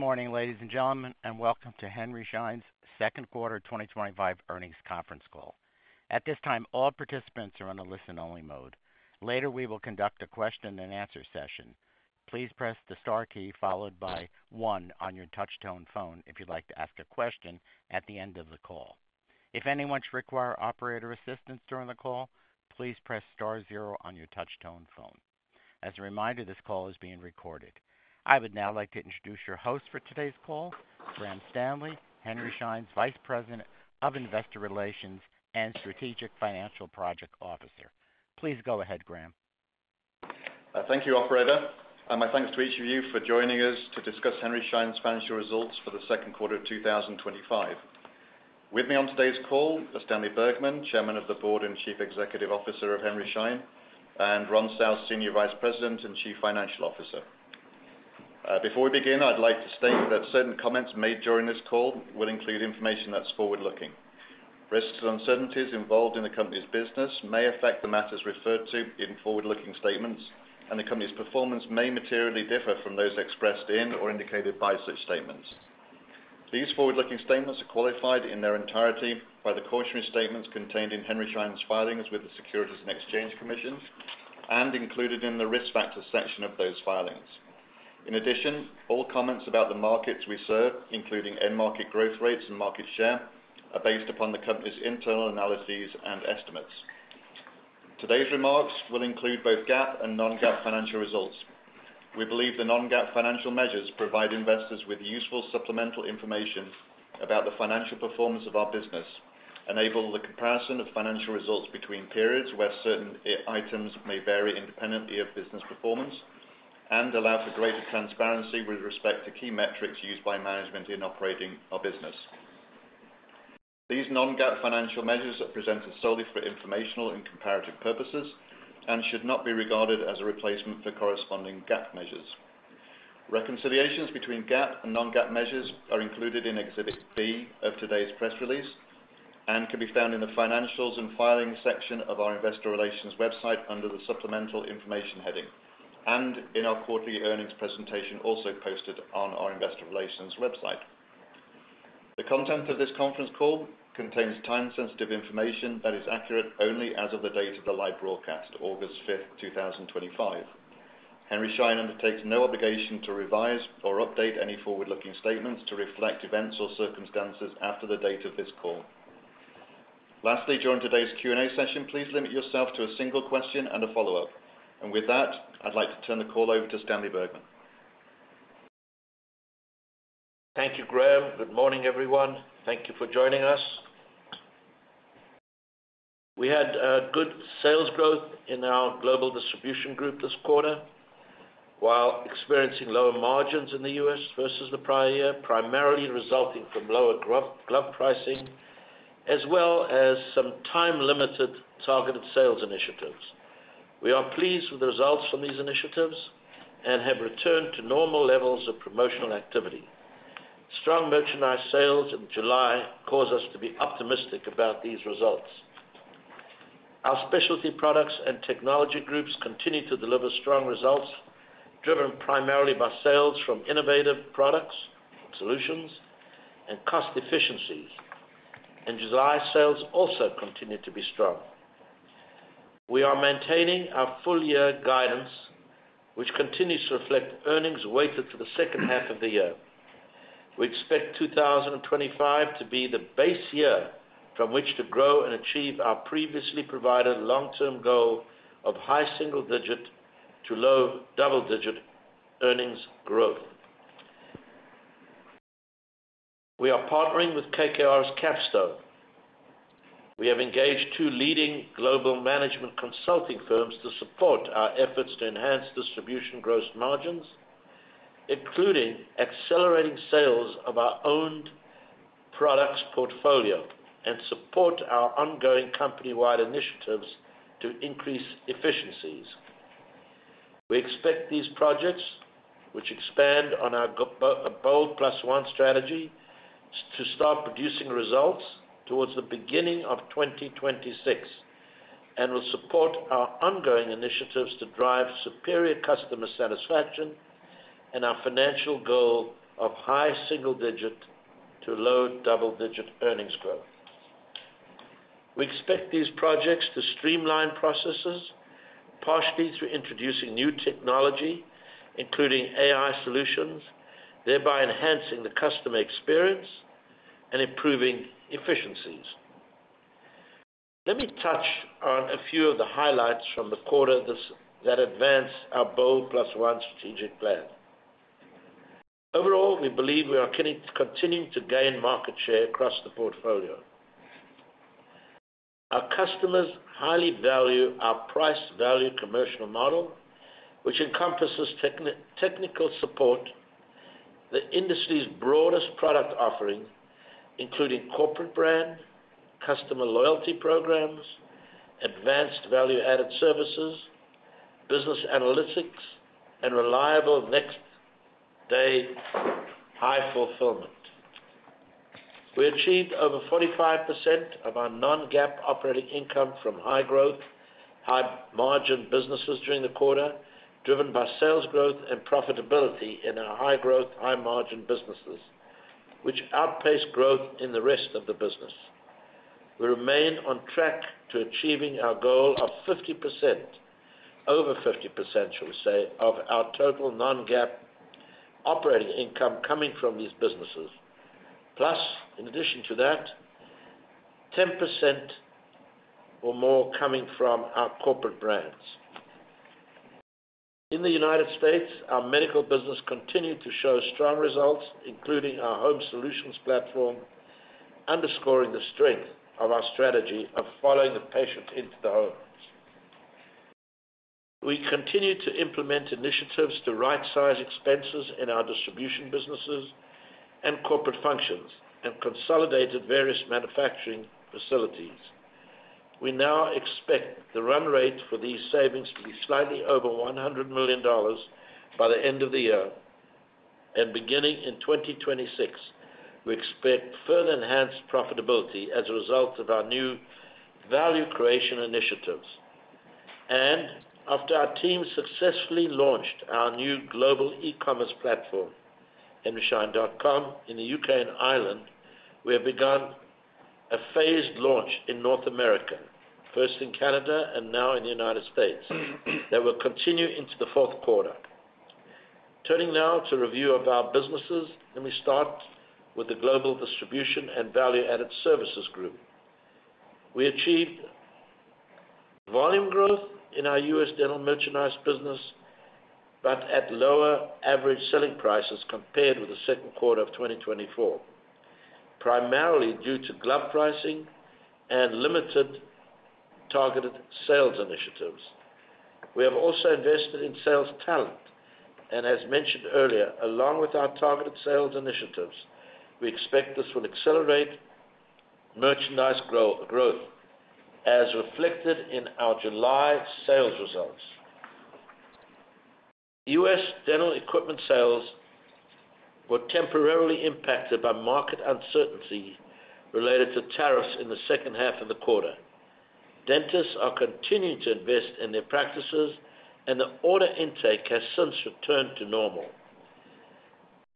Good morning, ladies and gentlemen, and welcome to Henry Schein's second quarter 2025 earnings conference call. At this time, all participants are on the listen-only mode. Later, we will conduct a question and answer session. Please press the star key followed by one on your touch-tone phone if you'd like to ask a question at the end of the call. If anyone should require operator assistance during the call, please press star zero on your touch-tone phone. As a reminder, this call is being recorded. I would now like to introduce your host for today's call, Graham Stanley, Henry Schein's Vice President of Investor Relations and Strategic Financial Project Officer. Please go ahead, Graham. Thank you, Alfredo. My thanks to each of you for joining us to discuss Henry Schein's financial results for the second quarter of 2025. With me on today's call are Stanley Bergman, Chairman of the Board and Chief Executive Officer of Henry Schein, and Ron South, Senior Vice President and Chief Financial Officer. Before we begin, I'd like to state that certain comments made during this call will include information that's forward-looking. Risks and uncertainties involved in the company's business may affect the matters referred to in forward-looking statements, and the company's performance may materially differ from those expressed in or indicated by such statements. These forward-looking statements are qualified in their entirety by the cautionary statements contained in Henry Schein's filings with the Securities and Exchange Commission and included in the risk factor section of those filings. In addition, all comments about the markets we serve, including end-market growth rates and market share, are based upon the company's internal analyses and estimates. Today's remarks will include both GAAP and non-GAAP financial results. We believe the non-GAAP financial measures provide investors with useful supplemental information about the financial performance of our business, enable the comparison of financial results between periods where certain items may vary independently of business performance, and allow for greater transparency with respect to key metrics used by management in operating our business. These non-GAAP financial measures are presented solely for informational and comparative purposes and should not be regarded as a replacement for corresponding GAAP measures. Reconciliations between GAAP and non-GAAP measures are included in Exhibit B of today's press release and can be found in the Financials and Filings section of our Investor Relations website under the Supplemental Information heading and in our quarterly earnings presentation also posted on our Investor Relations website. The content of this conference call contains time-sensitive information that is accurate only as of the date of the live broadcast, August 5th, 2025. Henry Schein undertakes no obligation to revise or update any forward-looking statements to reflect events or circumstances after the date of this call. Lastly, during today's Q&A session, please limit yourself to a single question and a follow-up. With that, I'd like to turn the call over to Stanley Bergman. Thank you, Graham. Good morning, everyone. Thank you for joining us. We had good sales growth in our Global Distribution Group this quarter, while experiencing lower margins in the U.S. versus the prior year, primarily resulting from lower glove pricing, as well as some time-limited targeted sales initiatives. We are pleased with the results from these initiatives and have returned to normal levels of promotional activity. Strong merchandise sales in July cause us to be optimistic about these results. Our Specialty Products and Technology Groups continue to deliver strong results, driven primarily by sales from innovative products, solutions, and cost efficiencies. In July, sales also continue to be strong. We are maintaining our full-year guidance, which continues to reflect earnings weighted for the second half of the year. We expect 2025 to be the base year from which to grow and achieve our previously provided long-term goal of high single-digit to low double-digit earnings growth. We are partnering with KKR. We have engaged two leading global management consulting firms to support our efforts to enhance distribution gross margins, including accelerating sales of our owned products portfolio and support our ongoing company-wide initiatives to increase efficiencies. We expect these projects, which expand on our Bold Plus One strategy, to start producing results towards the beginning of 2026 and will support our ongoing initiatives to drive superior customer satisfaction and our financial goal of high single-digit to low double-digit earnings growth. We expect these projects to streamline processes, partially through introducing new technology, including AI solutions, thereby enhancing the customer experience and improving efficiencies. Let me touch on a few of the highlights from the quarter that advance our Bold Plus One strategic plan. Overall, we believe we are continuing to gain market share across the portfolio. Our customers highly value our price-value commercial model, which encompasses technical support, the industry's broadest product offering, including corporate brand, customer loyalty programs, advanced value-added services, business analytics, and reliable next-day high fulfillment. We achieved over 45% of our non-GAAP operating income from high-growth, high-margin businesses during the quarter, driven by sales growth and profitability in our high-growth, high-margin businesses, which outpace growth in the rest of the business. We remain on track to achieving our goal of 50%, over 50%, shall we say, of our total non-GAAP operating income coming from these businesses. Plus, in addition to that, 10% or more coming from our corporate brands. In the U.S., our medical business continued to show strong results, including our home solutions platform, underscoring the strength of our strategy of following the patient into the home. We continue to implement initiatives to right-size expenses in our distribution businesses and corporate functions and consolidated various manufacturing facilities. We now expect the run rate for these savings to be slightly over $100 million by the end of the year, and beginning in 2026, we expect further enhanced profitability as a result of our new value creation initiatives. After our team successfully launched our new global e-commerce platform, HenrySchein.com, in the U.K. and Ireland, we have begun a phased launch in North America, first in Canada and now in the U.S. That will continue into the fourth quarter. Turning now to review of our businesses, let me start with the Global Distribution and Value-Added Services Group. We achieved volume growth in our U.S. dental merchandise business, but at lower average selling prices compared with the second quarter of 2024, primarily due to glove pricing and limited targeted sales initiatives. We have also invested in sales talent, and as mentioned earlier, along with our targeted sales initiatives, we expect this will accelerate merchandise growth, as reflected in our July sales results. U.S. dental equipment sales were temporarily impacted by market uncertainty related to tariffs in the second half of the quarter. Dentists are continuing to invest in their practices, and the order intake has since returned to normal.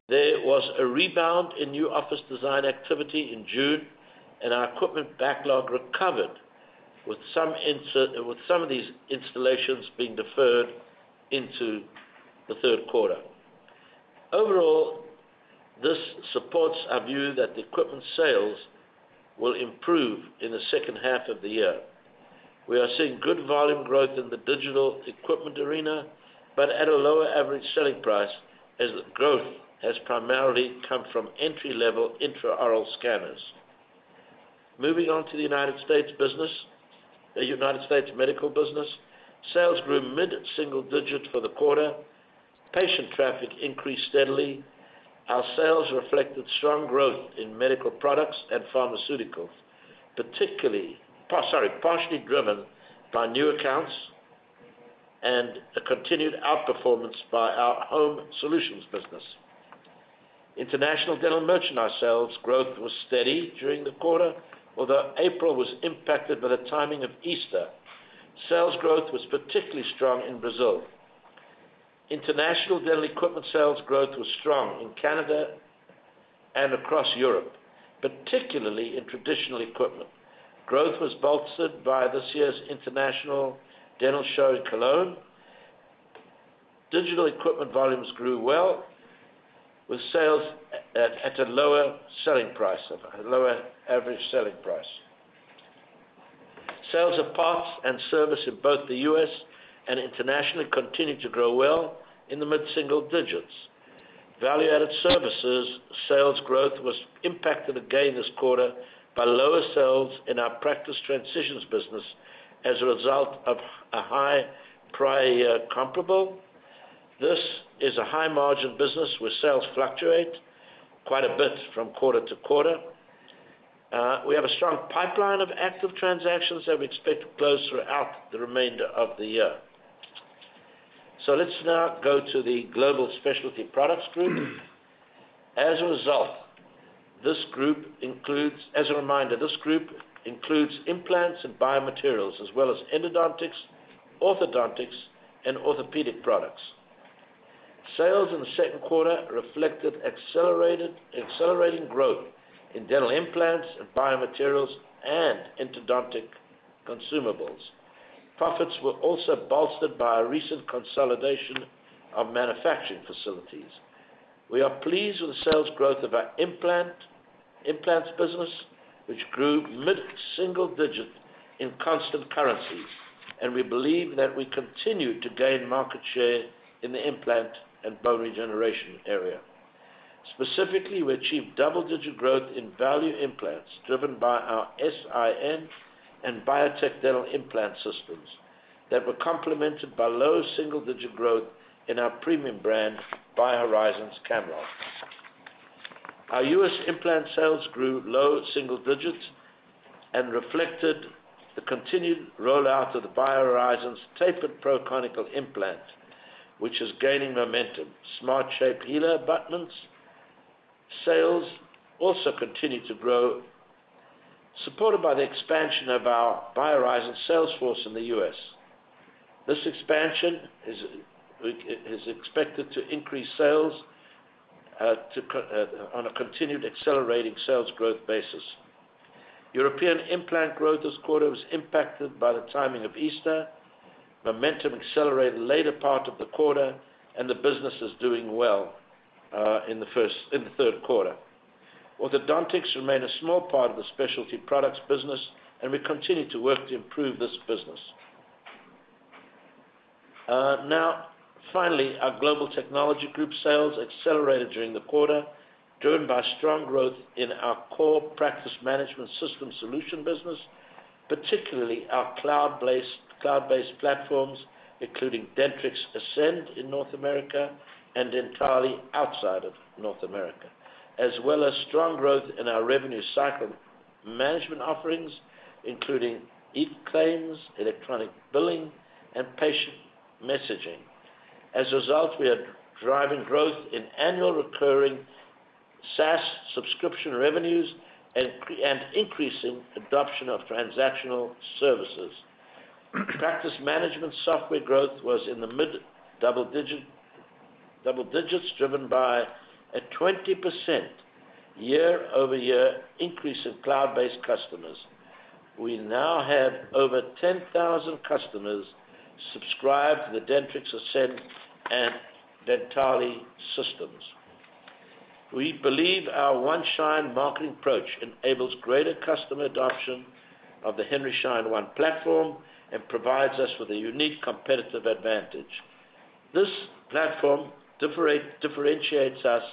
There was a rebound in new office design activity in June, and our equipment backlog recovered with some of these installations being deferred into the third quarter. Overall, this supports our view that the equipment sales will improve in the second half of the year. We are seeing good volume growth in the digital equipment arena, but at a lower average selling price, as the growth has primarily come from entry-level intraoral scanners. Moving on to the U.S. business, the U.S. medical business, sales grew mid-single digit for the quarter. Patient traffic increased steadily. Our sales reflected strong growth in medical products and pharmaceuticals, particularly partially driven by new accounts and a continued outperformance by our Home Solutions business. International dental merchandise sales growth was steady during the quarter, although April was impacted by the timing of Easter. Sales growth was particularly strong in Brazil. International dental equipment sales growth was strong in Canada and across Europe, particularly in traditional equipment. Growth was bolstered by this year's International Dental Show in Cologne. Digital equipment volumes grew well, with sales at a lower average selling price. Sales of parts and service in both the U.S. and internationally continue to grow well in the mid-single digits. Value-added services sales growth was impacted again this quarter by lower sales in our practice transitions business as a result of a high prior year comparable. This is a high-margin business where sales fluctuate quite a bit from quarter to quarter. We have a strong pipeline of active transactions that we expect to close throughout the remainder of the year. Let's now go to the Global Specialty Products Group. As a reminder, this group includes implants and biomaterials, as well as endodontics, orthodontics, and orthopedic products. Sales in the second quarter reflected accelerating growth in dental implants and biomaterials and endodontic consumables. Profits were also bolstered by a recent consolidation of manufacturing facilities. We are pleased with the sales growth of our implants business, which grew mid-single digit in constant currencies, and we believe that we continue to gain market share in the implant and bone regeneration area. Specifically, we achieved double-digit growth in value implants driven by our SIN and BioTech dental implant systems that were complemented by low single-digit growth in our premium brand, BioHorizons CamLog. Our U.S. implant sales grew low single digits and reflected the continued rollout of the BioHorizons tapered pro-conical implant, which is gaining momentum. SmartShape healer abutments sales also continue to grow, supported by the expansion of our BioHorizons sales force in the U.S. This expansion is expected to increase sales on a continued accelerating sales growth basis. European implant growth this quarter was impacted by the timing of Easter. Momentum accelerated the later part of the quarter, and the business is doing well in the third quarter. Orthodontics remained a small part of the specialty products business, and we continue to work to improve this business. Now, finally, our Global Technology Group sales accelerated during the quarter, driven by strong growth in our core practice management system solution business, particularly our cloud-based platforms, including Dentrix Ascend in North America and entirely outside of North America, as well as strong growth in our revenue cycle management offerings, including EAT claims, electronic billing, and patient messaging. As a result, we are driving growth in annual recurring SaaS subscription revenues and increasing adoption of transactional services. Practice management software growth was in the mid-double digits, driven by a 20% year-over-year increase in cloud-based customers. We now have over 10,000 customers subscribed to the Dentrix Ascend and Dentali systems. We believe our one-shine marketing approach enables greater customer adoption of the Henry Schein One platform and provides us with a unique competitive advantage. This platform differentiates us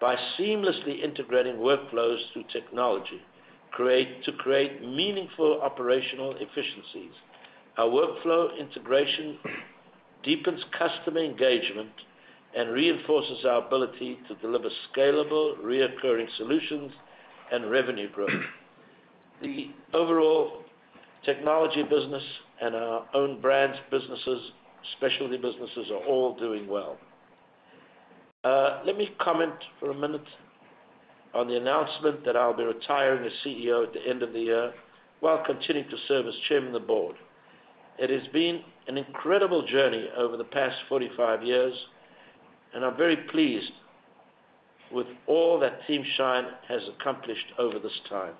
by seamlessly integrating workflows through technology to create meaningful operational efficiencies. Our workflow integration deepens customer engagement and reinforces our ability to deliver scalable, recurring solutions and revenue growth. The overall technology business and our own brands businesses, specialty businesses, are all doing well. Let me comment for a minute on the announcement that I'll be retiring as CEO at the end of the year while continuing to serve as Chairman of the Board. It has been an incredible journey over the past 45 years, and I'm very pleased with all that Team Schein has accomplished over this time.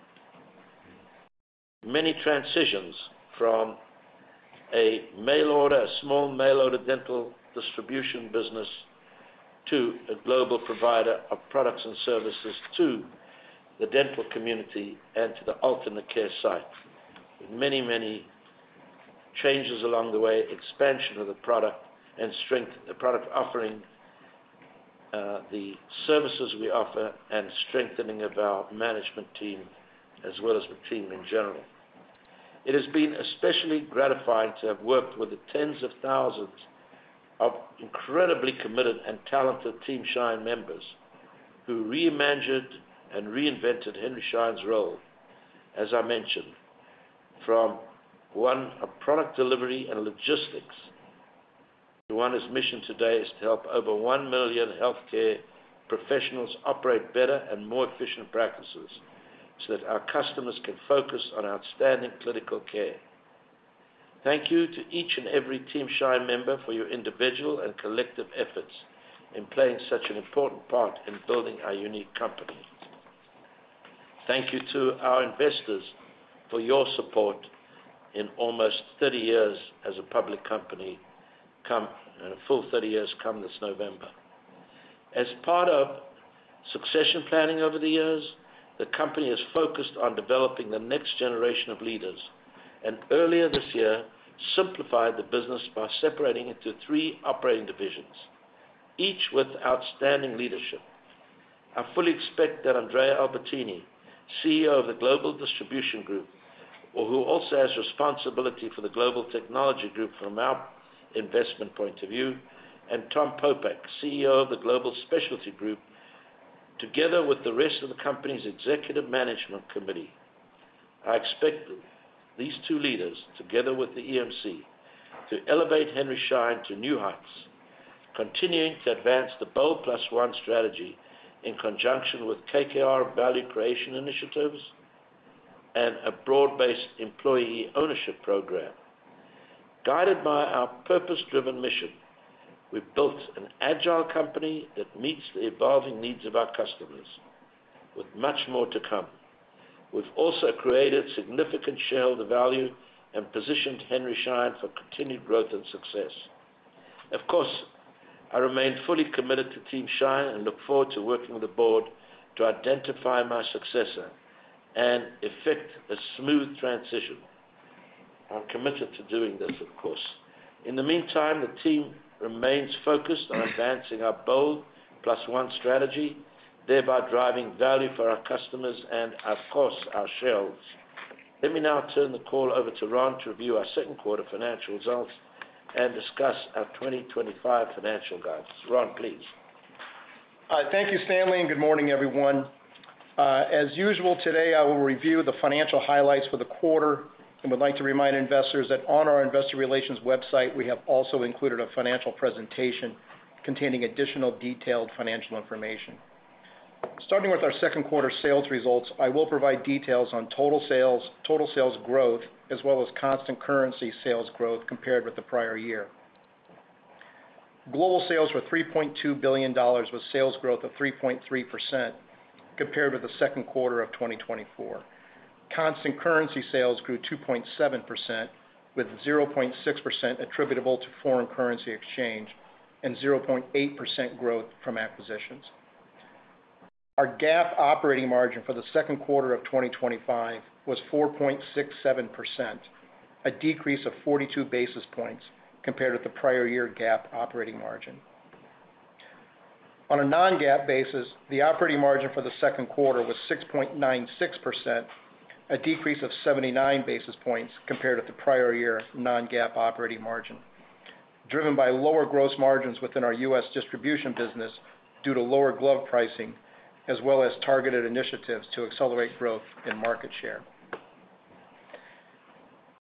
Many transitions from a small mail-order dental distribution business to a global provider of products and services to the dental community and to the alternate care sites, with many, many changes along the way, expansion of the product and strength of the product offering, the services we offer, and strengthening of our management team, as well as the team in general. It has been especially gratifying to have worked with the tens of thousands of incredibly committed and talented Team Schein members who reimagined and reinvented Henry Schein's role. As I mentioned, from one of product delivery and logistics to one whose mission today is to help over 1 million healthcare professionals operate better and more efficient practices so that our customers can focus on outstanding clinical care. Thank you to each and every Team Schein member for your individual and collective efforts in playing such an important part in building our unique company. Thank you to our investors for your support in almost 30 years as a public company, come full 30 years come this November. As part of succession planning over the years, the company has focused on developing the next generation of leaders and earlier this year simplified the business by separating into three operating divisions, each with outstanding leadership. I fully expect that Andrea Albertini, CEO of the Global Distribution Group, who also has responsibility for the Global Technology Group from our investment point of view, and Tom Popeck, CEO of the Global Specialty Group, together with the rest of the company's executive management committee. I expect these two leaders, together with the EMC, to elevate Henry Schein to new heights, continuing to advance the Bold Plus One strategy in conjunction with KKR value creation initiatives and a broad-based employee ownership program. Guided by our purpose-driven mission, we've built an agile company that meets the evolving needs of our customers, with much more to come. We've also created significant shareholder value and positioned Henry Schein for continued growth and success. Of course, I remain fully committed to Team Schein and look forward to working with the board to identify my successor and effect a smooth transition. I'm committed to doing this, of course. In the meantime, the team remains focused on advancing our Bold Plus One strategy, thereby driving value for our customers and, of course, our shareholders. Let me now turn the call over to Ron to review our second quarter financial results and discuss our 2025 financial guides. Ron, please. All right. Thank you, Stanley, and good morning, everyone. As usual today, I will review the financial highlights for the quarter and would like to remind investors that on our Investor Relations website, we have also included a financial presentation containing additional detailed financial information. Starting with our second quarter sales results, I will provide details on total sales, total sales growth, as well as constant currency sales growth compared with the prior year. Global sales were $3.2 billion, with sales growth of 3.3% compared with the second quarter of 2024. Constant currency sales grew 2.7%, with 0.6% attributable to foreign currency exchange and 0.8% growth from acquisitions. Our GAAP operating margin for the second quarter of 2025 was 4.67%, a decrease of 42 basis points compared with the prior year GAAP operating margin. On a non-GAAP basis, the operating margin for the second quarter was 6.96%, a decrease of 79 basis points compared with the prior year non-GAAP operating margin, driven by lower gross margins within our U.S. distribution business due to lower glove pricing, as well as targeted initiatives to accelerate growth in market share.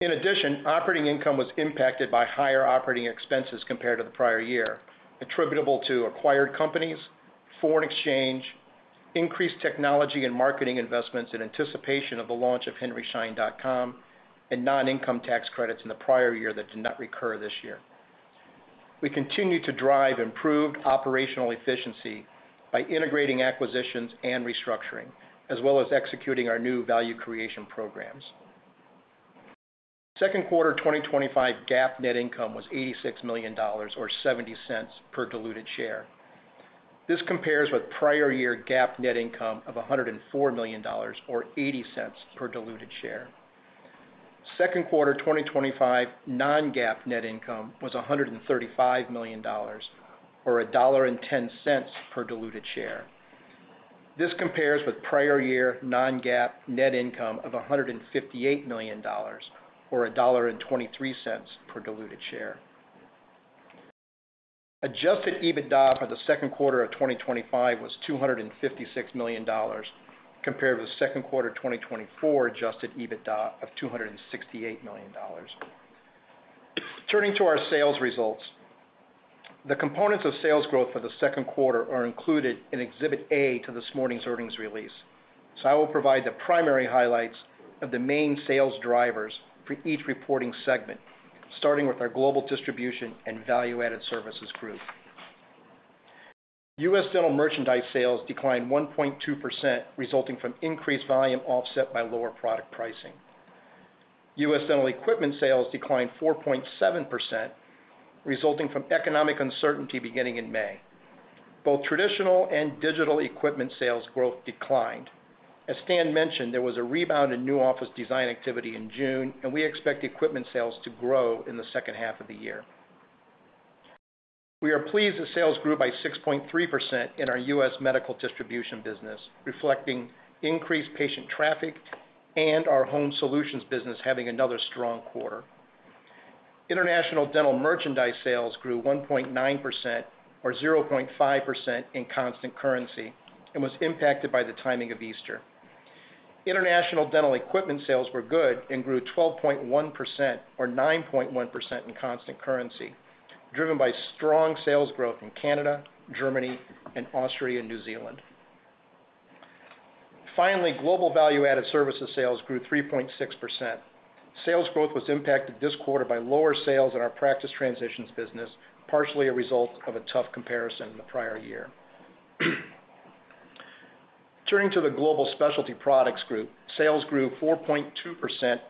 In addition, operating income was impacted by higher operating expenses compared to the prior year, attributable to acquired companies, foreign exchange, increased technology and marketing investments in anticipation of the launch of HenrySchein.com, and non-income tax credits in the prior year that did not recur this year. We continue to drive improved operational efficiency by integrating acquisitions and restructuring, as well as executing our new value creation programs. Second quarter 2025 GAAP net income was $86 million or $0.70 per diluted share. This compares with prior year GAAP net income of $104 million or $0.80 per diluted share. Second quarter 2025 non-GAAP net income was $135 million or $1.10 per diluted share. This compares with prior year non-GAAP net income of $158 million or $1.23 per diluted share. Adjusted EBITDA for the second quarter of 2025 was $256 million compared with the second quarter of 2024 adjusted EBITDA of $268 million. Turning to our sales results, the components of sales growth for the second quarter are included in Exhibit A to this morning's earnings release. I will provide the primary highlights of the main sales drivers for each reporting segment, starting with our global distribution and value-added services growth. U.S. dental merchandise sales declined 1.2%, resulting from increased volume offset by lower product pricing. U.S. dental equipment sales declined 4.7%, resulting from economic uncertainty beginning in May. Both traditional and digital equipment sales growth declined. As Stan mentioned, there was a rebound in new office design activity in June, and we expect equipment sales to grow in the second half of the year. We are pleased as sales grew by 6.3% in our U.S. medical distribution business, reflecting increased patient traffic and our home solutions business having another strong quarter. International dental merchandise sales grew 1.9% or 0.5% in constant currency and was impacted by the timing of Easter. International dental equipment sales were good and grew 12.1% or 9.1% in constant currency, driven by strong sales growth in Canada, Germany, and Australia, New Zealand. Finally, global value-added services sales grew 3.6%. Sales growth was impacted this quarter by lower sales in our practice transitions business, partially a result of a tough comparison in the prior year. Turning to the global specialty products group, sales grew 4.2%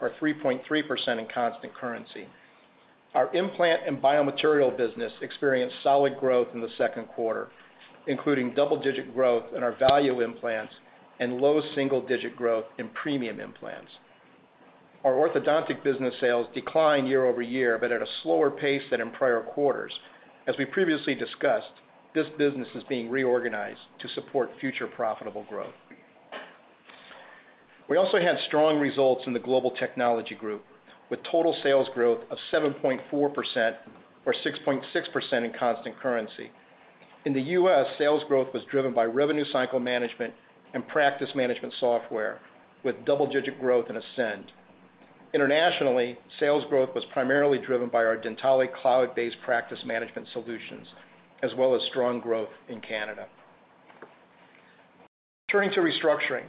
or 3.3% in constant currency. Our implant and biomaterial business experienced solid growth in the second quarter, including double-digit growth in our value implants and low single-digit growth in premium implants. Our orthodontic business sales declined year-over-year, but at a slower pace than in prior quarters. As we previously discussed, this business is being reorganized to support future profitable growth. We also had strong results in the global technology group, with total sales growth of 7.4% or 6.6% in constant currency. In the U.S., sales growth was driven by revenue cycle management and practice management software, with double-digit growth in Ascend. Internationally, sales growth was primarily driven by our Dentali cloud-based practice management solutions, as well as strong growth in Canada. Turning to restructuring,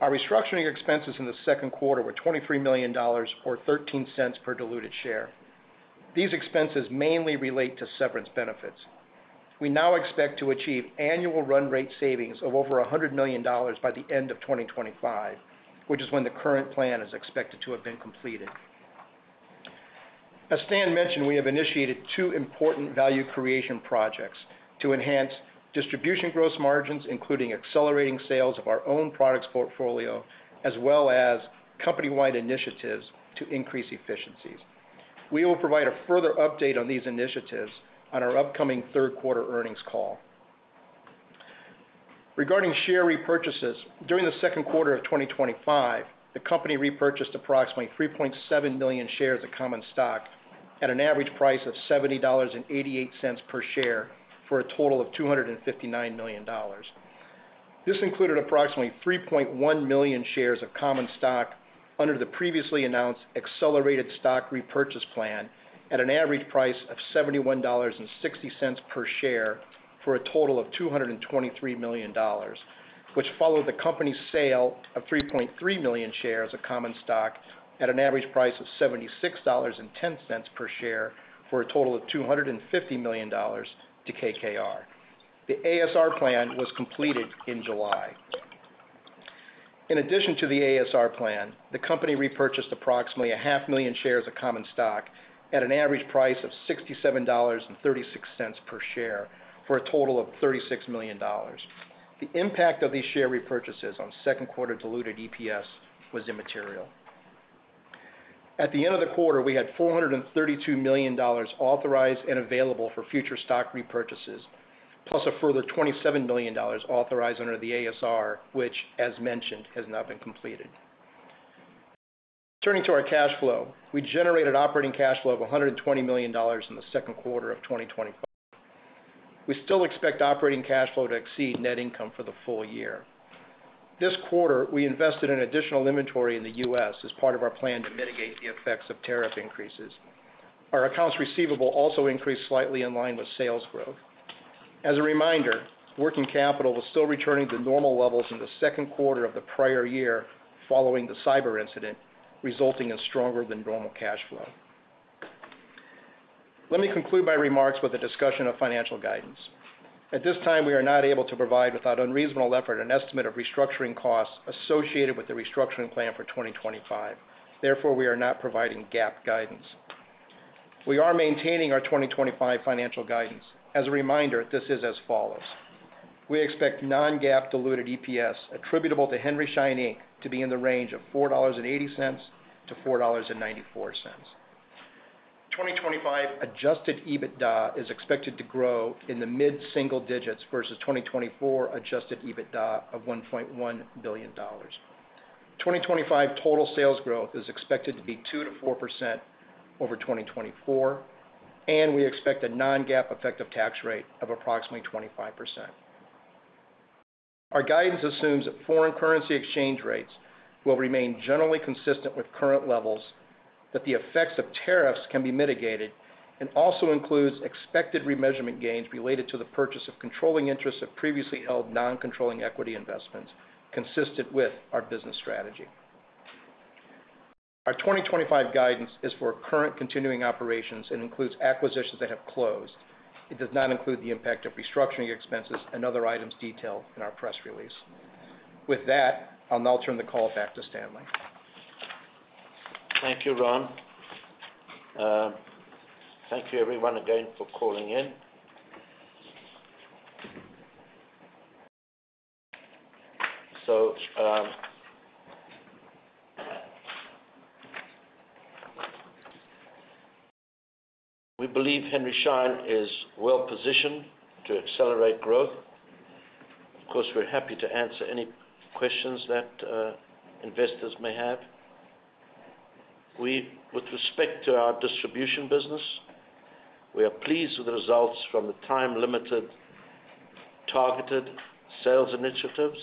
our restructuring expenses in the second quarter were $23 million or $0.13 per diluted share. These expenses mainly relate to severance benefits. We now expect to achieve annual run rate savings of over $100 million by the end of 2025, which is when the current plan is expected to have been completed. As Stan mentioned, we have initiated two important value creation projects to enhance distribution gross margins, including accelerating sales of our own products portfolio, as well as company-wide initiatives to increase efficiencies. We will provide a further update on these initiatives on our upcoming third quarter earnings call. Regarding share repurchases, during the second quarter of 2025, the company repurchased approximately 3.7 million shares of common stock at an average price of $70.88 per share for a total of $259 million. This included approximately 3.1 million shares of common stock under the previously announced accelerated stock repurchase plan at an average price of $71.60 per share for a total of $223 million, which followed the company's sale of 3.3 million shares of common stock at an average price of $76.10 per share for a total of $250 million to KKR. The ASR plan was completed in July. In addition to the ASR plan, the company repurchased approximately a half million shares of common stock at an average price of $67.36 per share for a total of $36 million. The impact of these share repurchases on second quarter diluted EPS was immaterial. At the end of the quarter, we had $432 million authorized and available for future stock repurchases, plus a further $27 million authorized under the ASR, which, as mentioned, has not been completed. Turning to our cash flow, we generated operating cash flow of $120 million in the second quarter of 2025. We still expect operating cash flow to exceed net income for the full year. This quarter, we invested in additional inventory in the U.S. as part of our plan to mitigate the effects of tariff increases. Our accounts receivable also increased slightly in line with sales growth. As a reminder, working capital was still returning to normal levels in the second quarter of the prior year following the cyber incident, resulting in stronger than normal cash flow. Let me conclude my remarks with a discussion of financial guidance. At this time, we are not able to provide, without unreasonable effort, an estimate of restructuring costs associated with the restructuring plan for 2025. Therefore, we are not providing GAAP guidance. We are maintaining our 2025 financial guidance. As a reminder, this is as follows: We expect non-GAAP diluted EPS attributable to Henry Schein, Inc. to be in the range of $4.80-$4.94. 2025 adjusted EBITDA is expected to grow in the mid-single digits versus 2024 adjusted EBITDA of $1.1 billion. 2025 total sales growth is expected to be 2%-4% over 2024, and we expect a non-GAAP effective tax rate of approximately 25%. Our guidance assumes that foreign currency exchange rates will remain generally consistent with current levels, that the effects of tariffs can be mitigated, and also includes expected remeasurement gains related to the purchase of controlling interests of previously held non-controlling equity investments consistent with our business strategy. Our 2025 guidance is for current continuing operations and includes acquisitions that have closed. It does not include the impact of restructuring expenses and other items detailed in our press release. With that, I'll now turn the call back to Stanley. Thank you, Ron. Thank you, everyone, again for calling in. We believe Henry Schein is well-positioned to accelerate growth. Of course, we're happy to answer any questions that investors may have. With respect to our distribution business, we are pleased with the results from the time-limited targeted sales initiatives,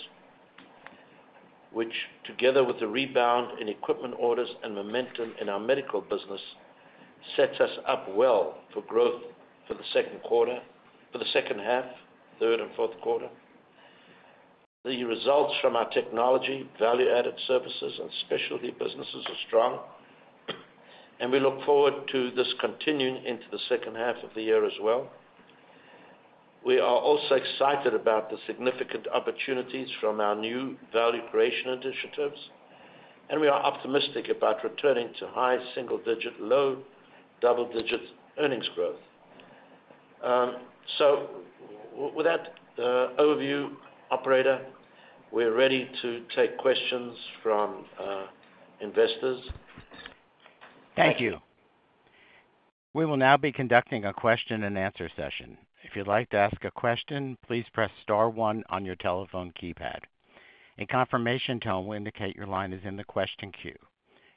which, together with the rebound in equipment orders and momentum in our medical business, set us up well for growth for the second quarter, for the second half, third, and fourth quarter. The results from our technology, value-added services, and specialty businesses are strong, and we look forward to this continuing into the second half of the year as well. We are also excited about the significant opportunities from our new value creation initiatives, and we are optimistic about returning to high single-digit, low double-digit earnings growth. With that overview, operator, we're ready to take questions from investors. Thank you. We will now be conducting a question and answer session. If you'd like to ask a question, please press star one on your telephone keypad. A confirmation tone will indicate your line is in the question queue.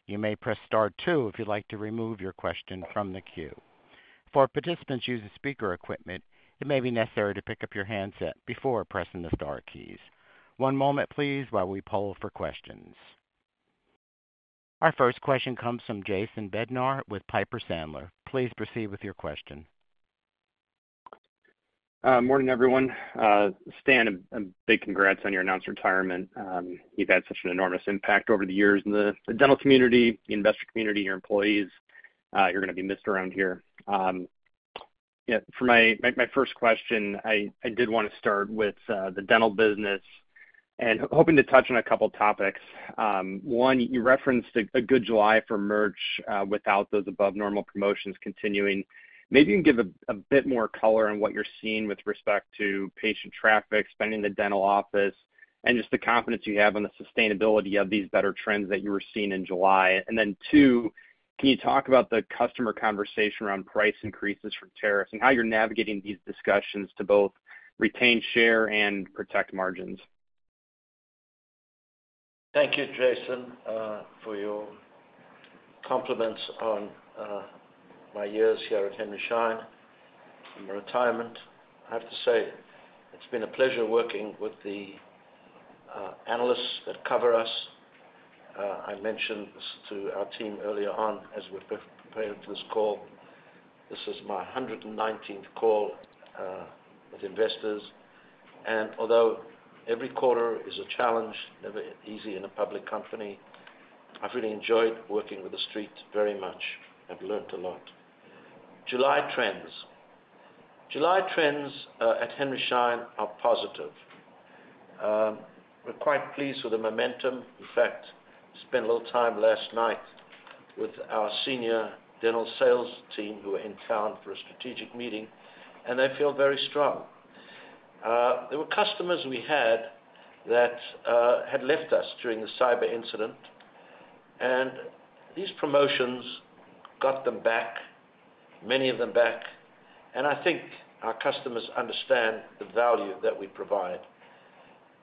You may press star two if you'd like to remove your question from the queue. For participants using speaker equipment, it may be necessary to pick up your handset before pressing the star keys. One moment, please, while we poll for questions. Our first question comes from Jason Bednar with Piper Sandler. Please proceed with your question. Morning, everyone. Stan, a big congrats on your announced retirement. You've had such an enormous impact over the years in the dental community, the investment community, your employees. You're going to be missed around here. For my first question, I did want to start with the dental business and hoping to touch on a couple of topics. One, you referenced a good July for merch without those above-normal promotions continuing. Maybe you can give a bit more color on what you're seeing with respect to patient traffic, spending in the dental office, and just the confidence you have on the sustainability of these better trends that you were seeing in July. Two, can you talk about the customer conversation around price increases from tariffs and how you're navigating these discussions to both retain share and protect margins? Thank you, Jason, for your compliments on my years here at Henry Schein, on my retirement. I have to say it's been a pleasure working with the analysts that cover us. I mentioned this to our team earlier on as we prepared for this call. This is my 119th call with investors. Although every quarter is a challenge, never easy in a public company, I've really enjoyed working with the street very much. I've learned a lot. July trends at Henry Schein are positive. We're quite pleased with the momentum. In fact, I spent a little time last night with our senior dental sales team who were in town for a strategic meeting, and they feel very strong. There were customers we had that had left us during the cyber incident, and these promotions got them back, many of them back. I think our customers understand the value that we provide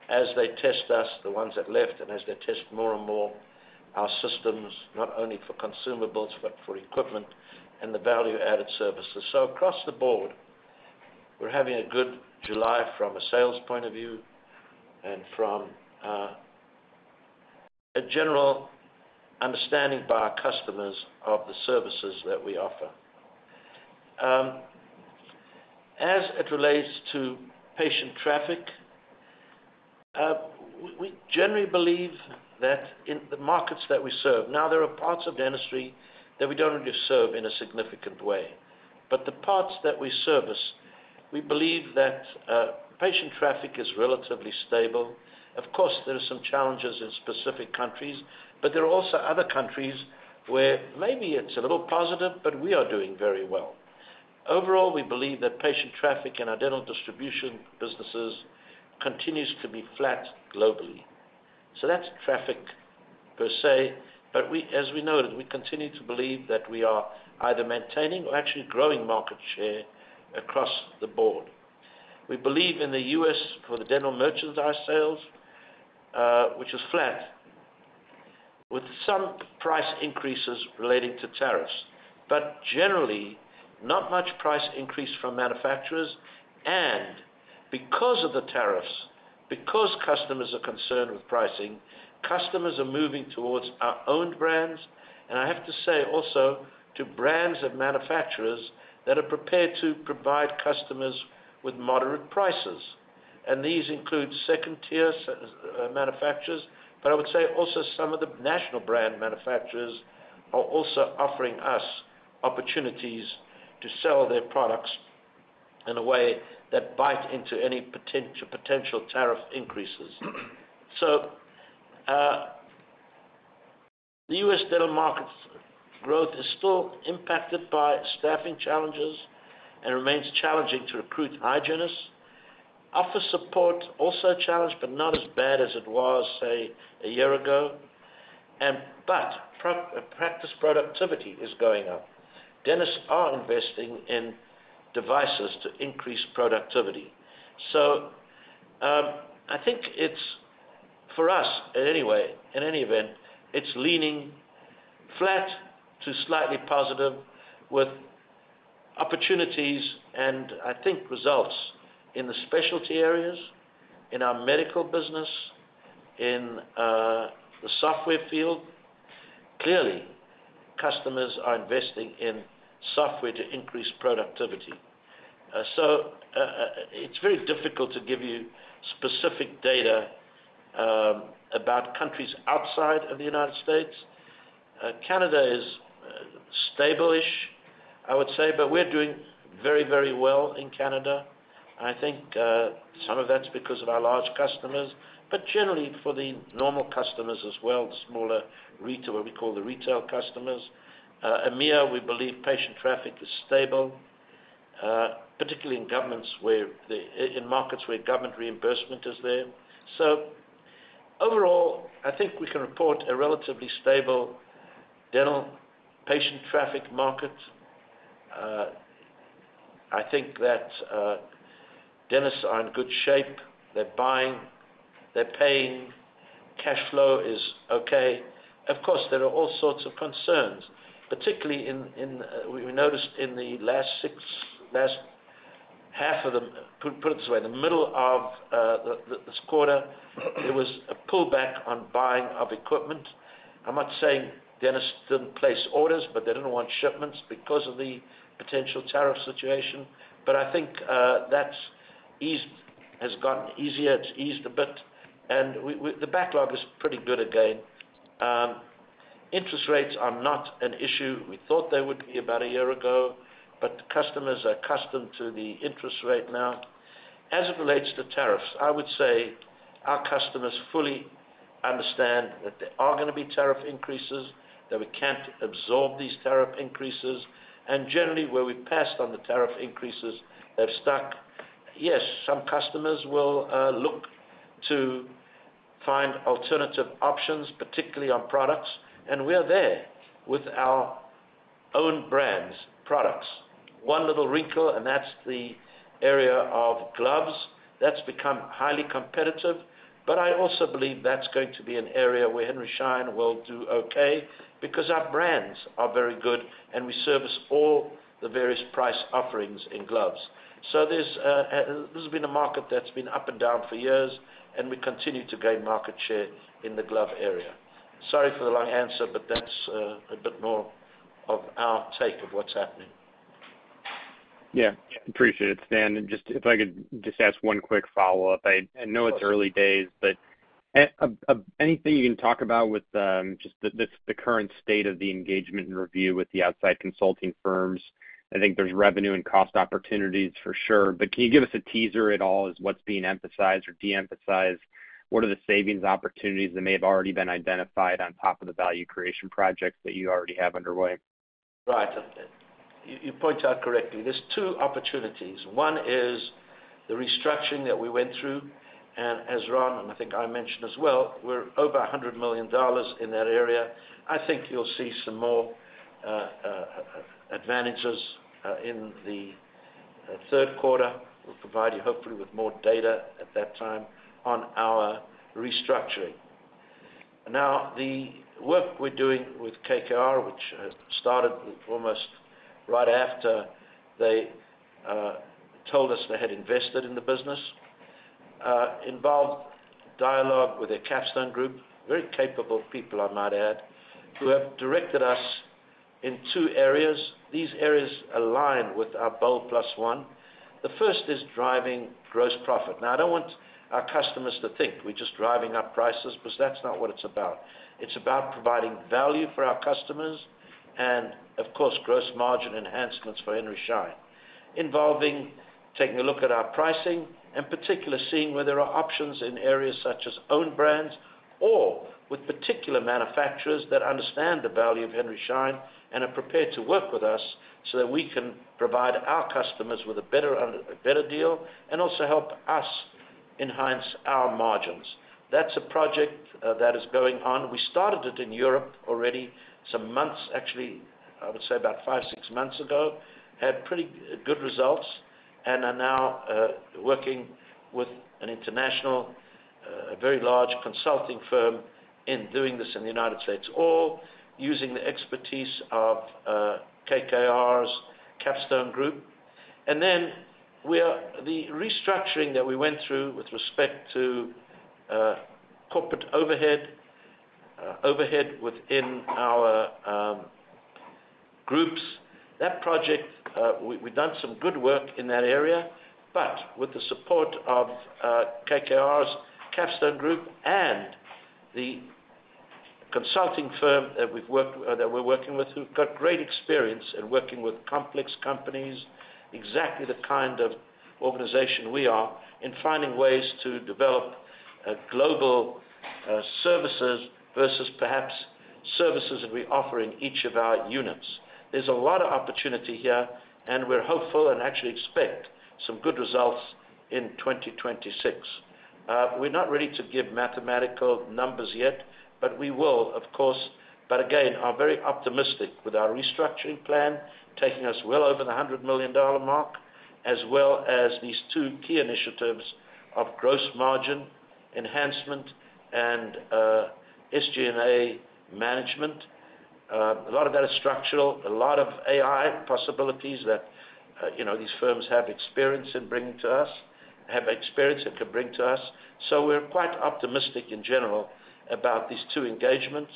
as they test us, the ones that left, and as they test more and more our systems, not only for consumables but for equipment and the value-added services. Across the board, we're having a good July from a sales point of view and from a general understanding by our customers of the services that we offer. As it relates to patient traffic, we generally believe that in the markets that we serve, now there are parts of dentistry that we don't really serve in a significant way, but the parts that we service, we believe that patient traffic is relatively stable. Of course, there are some challenges in specific countries, but there are also other countries where maybe it's a little positive, but we are doing very well. Overall, we believe that patient traffic in our dental distribution businesses continues to be flat globally. That's traffic per se, but as we noted, we continue to believe that we are either maintaining or actually growing market share across the board. We believe in the U.S. for the dental merchandise sales, which is flat, with some price increases relating to tariffs, but generally not much price increase from manufacturers. Because of the tariffs, because customers are concerned with pricing, customers are moving towards our own brands. I have to say also to brands and manufacturers that are prepared to provide customers with moderate prices. These include second-tier manufacturers, but I would say also some of the national brand manufacturers are also offering us opportunities to sell their products in a way that bites into any potential tariff increases. The U.S. dental markets, road, is still impacted by staffing challenges and remains challenging to recruit hygienists. Office support is also a challenge, but not as bad as it was, say, a year ago. Practice productivity is going up. Dentists are investing in devices to increase productivity. I think it's for us, anyway, in any event, it's leaning flat to slightly positive with opportunities and I think results in the specialty areas, in our medical business, in the software field. Clearly, customers are investing in software to increase productivity. It's very difficult to give you specific data about countries outside of the United States. Canada is stable-ish, I would say, but we're doing very, very well in Canada. I think some of that's because of our large customers, but generally for the normal customers as well, the smaller, what we call the retail customers. We believe patient traffic is stable, particularly in markets where government reimbursement is there. Overall, I think we can report a relatively stable dental patient traffic market. I think that dentists are in good shape. They're buying, they're paying, cash flow is okay. Of course, there are all sorts of concerns, particularly in we noticed in the last six last half of the, put it this way, the middle of this quarter, there was a pullback on buying of equipment. I'm not saying dentists didn't place orders, but they didn't want shipments because of the potential tariff situation. I think that's eased, has gotten easier. It's eased a bit, and the backlog is pretty good again. Interest rates are not an issue. We thought they would be about a year ago, but customers are accustomed to the interest rate now. As it relates to tariffs, I would say our customers fully understand that there are going to be tariff increases, that we can't absorb these tariff increases, and generally where we passed on the tariff increases, they've stuck. Yes, some customers will look to find alternative options, particularly on products, and we're there with our own brands, products. One little wrinkle, and that's the area of gloves. That's become highly competitive, but I also believe that's going to be an area where Henry Schein will do okay because our brands are very good and we service all the various price offerings in gloves. This has been a market that's been up and down for years, and we continue to gain market share in the glove area. Sorry for the long answer, but that's a bit more of our take of what's happening. Yeah, appreciate it, Stan. If I could just ask one quick follow-up. I know it's early days, but anything you can talk about with just the current state of the engagement and review with the outside consulting firms? I think there's revenue and cost opportunities for sure, but can you give us a teaser at all as what's being emphasized or de-emphasized? What are the savings opportunities that may have already been identified on top of the value creation projects that you already have underway? Right. You point out correctly. There's two opportunities. One is the restructuring that we went through, and as Ron and I think I mentioned as well, we're over $100 million in that area. I think you'll see some more advantages in the third quarter. We'll provide you hopefully with more data at that time on our restructuring. Now, the work we're doing with KKR, which started almost right after they told us they had invested in the business, involved dialogue with their Capstone group, very capable people, I might add, who have directed us in two areas. These areas align with our Bold Plus One. The first is driving gross profit. Now, I don't want our customers to think we're just driving up prices, but that's not what it's about. It's about providing value for our customers and, of course, gross margin enhancements for Henry Schein, involving taking a look at our pricing and particularly seeing where there are options in areas such as own brands or with particular manufacturers that understand the value of Henry Schein and are prepared to work with us so that we can provide our customers with a better deal and also help us enhance our margins. That's a project that is going on. We started it in Europe already some months, actually, I would say about five, six months ago, had pretty good results, and are now working with an international, a very large consulting firm in doing this in the U.S., all using the expertise of KKR's Capstone group. We are the restructuring that we went through with respect to corporate overhead, overhead within our groups. That project, we've done some good work in that area, but with the support of KKR's Capstone group and the consulting firm that we're working with, who've got great experience in working with complex companies, exactly the kind of organization we are in finding ways to develop global services versus perhaps services that we're offering each of our units. There's a lot of opportunity here, and we're hopeful and actually expect some good results in 2026. We're not ready to give mathematical numbers yet, but we will, of course. Again, I'm very optimistic with our restructuring plan, taking us well over the $100 million mark, as well as these two key initiatives of gross margin enhancement and SG&A management. A lot of that is structural, a lot of AI possibilities that these firms have experience in bringing to us, have experience that could bring to us. We're quite optimistic in general about these two engagements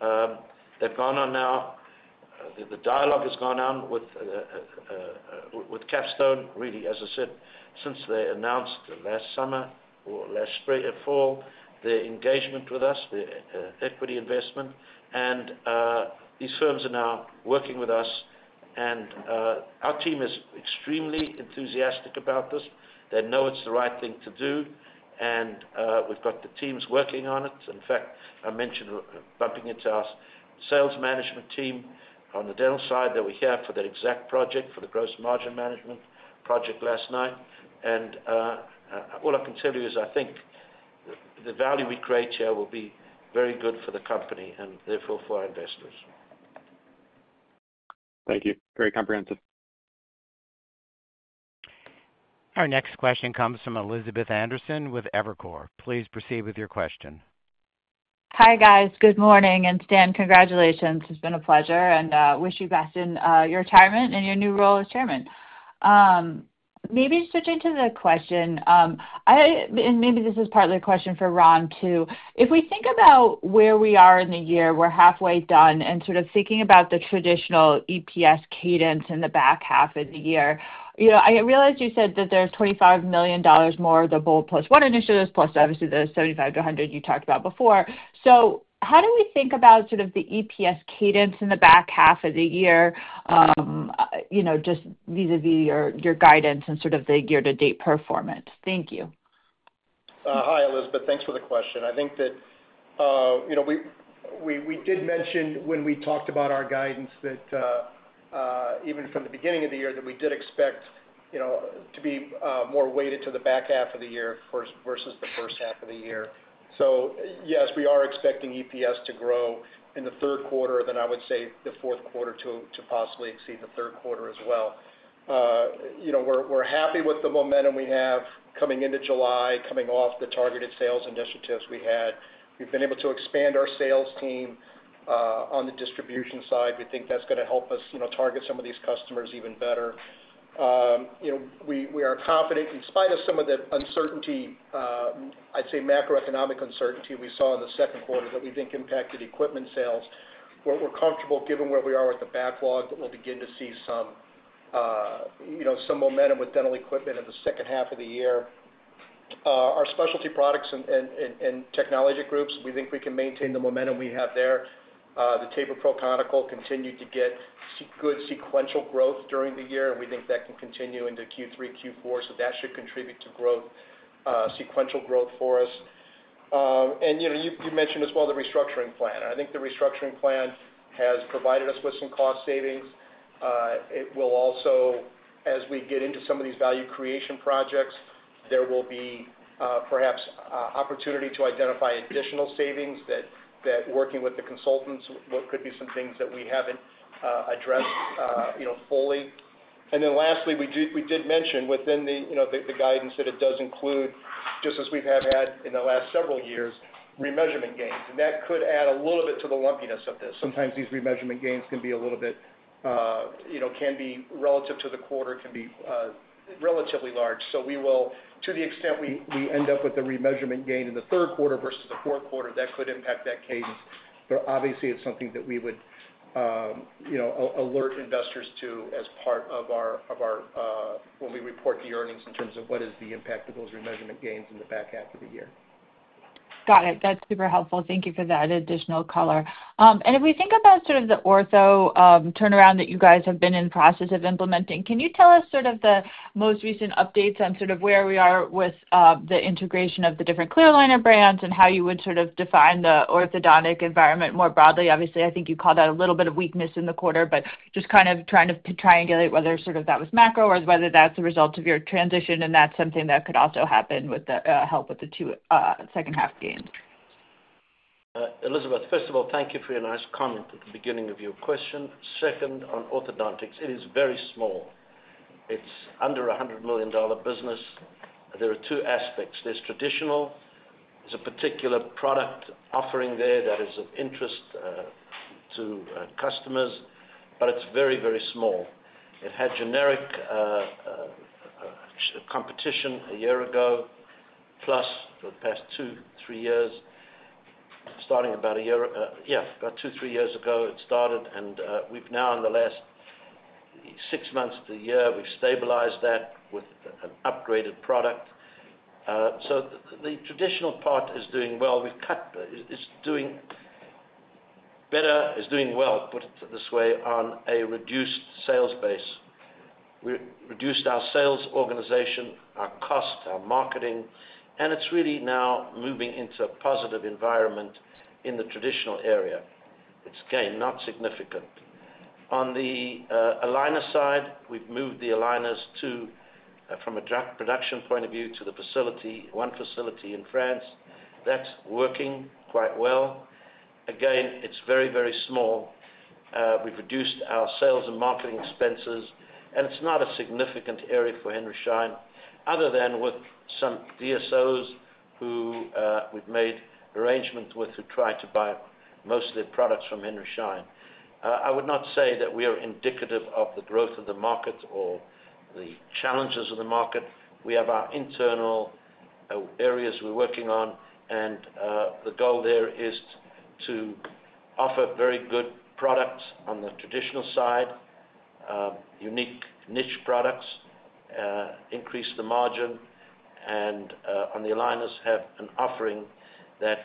that have gone on now. The dialogue has gone on with KKR Capstone, really, as I said, since they announced last spring or fall, the engagement with us, the equity investment, and these firms are now working with us. Our team is extremely enthusiastic about this. They know it's the right thing to do, and we've got the teams working on it. In fact, I mentioned bumping into our Sales Management team on the dental side that we have for that exact project, for the gross margin management project last night. All I can tell you is I think the value we create here will be very good for the company and therefore for our investors. Thank you. Very comprehensive. Our next question comes from Elizabeth Anderson with Evercore. Please proceed with your question. Hi guys. Good morning. Stan, congratulations. It's been a pleasure and I wish you best in your retirement and your new role as Chairman. Maybe switching to the question, and maybe this is partly a question for Ron too. If we think about where we are in the year, we're halfway done, and sort of thinking about the traditional EPS cadence in the back half of the year, I realized you said that there's $25 million more of the Bold Plus One initiatives plus obviously the $75 million-$100 million you talked about before. How do we think about the EPS cadence in the back half of the year just vis-à-vis your guidance and the year-to-date performance? Thank you. Hi, Elizabeth. Thanks for the question. I think that, you know, we did mention when we talked about our guidance that even from the beginning of the year, we did expect, you know, to be more weighted to the back half of the year versus the first half of the year. Yes, we are expecting EPS to grow in the third quarter. I would say the fourth quarter could possibly exceed the third quarter as well. We're happy with the momentum we have coming into July, coming off the targeted sales initiatives we had. We've been able to expand our sales team on the distribution side. We think that's going to help us, you know, target some of these customers even better. We are confident in spite of some of the uncertainty, I'd say macroeconomic uncertainty we saw in the second quarter that we think impacted equipment sales. We're comfortable, given where we are with the backlog, that we'll begin to see some, you know, some momentum with dental equipment in the second half of the year. Our specialty products and technology groups, we think we can maintain the momentum we have there. The taper pro-conical continued to get good sequential growth during the year, and we think that can continue into Q3 and Q4. That should contribute to growth, sequential growth for us. You mentioned as well the restructuring plan. I think the restructuring plan has provided us with some cost savings. It will also, as we get into some of these value creation projects, there will be perhaps an opportunity to identify additional savings that, working with the consultants, could be some things that we haven't addressed fully. Lastly, we did mention within the guidance that it does include, just as we have had in the last several years, remeasurement gains. That could add a little bit to the lumpiness of this. Sometimes these remeasurement gains can be, you know, can be relative to the quarter, can be relatively large. We will, to the extent we end up with a remeasurement gain in the third quarter versus the fourth quarter, that could impact that cadence. Obviously, it's something that we would, you know, alert investors to as part of our, when we report the earnings, in terms of what is the impact of those remeasurement gains in the back half of the year. Got it. That's super helpful. Thank you for that additional color. If we think about sort of the ortho turnaround that you guys have been in the process of implementing, can you tell us the most recent updates on where we are with the integration of the different clear aligner brands and how you would define the orthodontic environment more broadly? Obviously, I think you called out a little bit of weakness in the quarter, just kind of trying to triangulate whether that was macro or whether that's a result of your transition and if that's something that could also happen with the help with the two second half gains. Elizabeth, first of all, thank you for your nice comment at the beginning of your question. Second, on orthodontics, it is very small. It's under a $100 million business. There are two aspects. There's traditional. There's a particular product offering there that is of interest to customers, but it's very, very small. It had generic competition a year ago, plus for the past two, three years, starting about a year, yeah, about two, three years ago it started. We've now, in the last six months to a year, stabilized that with an upgraded product. The traditional part is doing well. It's doing better, is doing well, to put it this way, on a reduced sales base. We reduced our sales organization, our cost, our marketing, and it's really now moving into a positive environment in the traditional area. It's gained not significant. On the aligner side, we've moved the aligners from a production point of view to the facility, one facility in France. That's working quite well. Again, it's very, very small. We've reduced our sales and marketing expenses, and it's not a significant area for Henry Schein, other than with some DSOs who we've made arrangements with to try to buy mostly products from Henry Schein. I would not say that we are indicative of the growth of the market or the challenges of the market. We have our internal areas we're working on, and the goal there is to offer very good products on the traditional side, unique niche products, increase the margin, and on the aligners have an offering that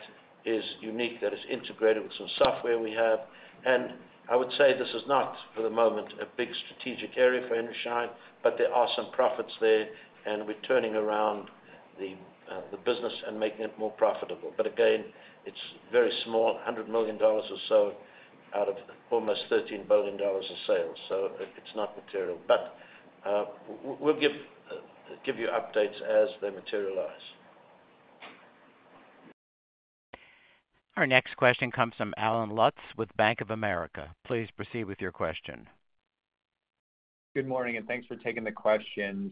is unique, that is integrated with some software we have. I would say this is not, for the moment, a big strategic area for Henry Schein, but there are some profits there, and we're turning around the business and making it more profitable. Again, it's very small, $100 million or so out of almost $13 billion of sales. It's not material. We'll give you updates as they materialize. Our next question comes from Allen Lutz with Bank of America. Please proceed with your question. Good morning, and thanks for taking the questions.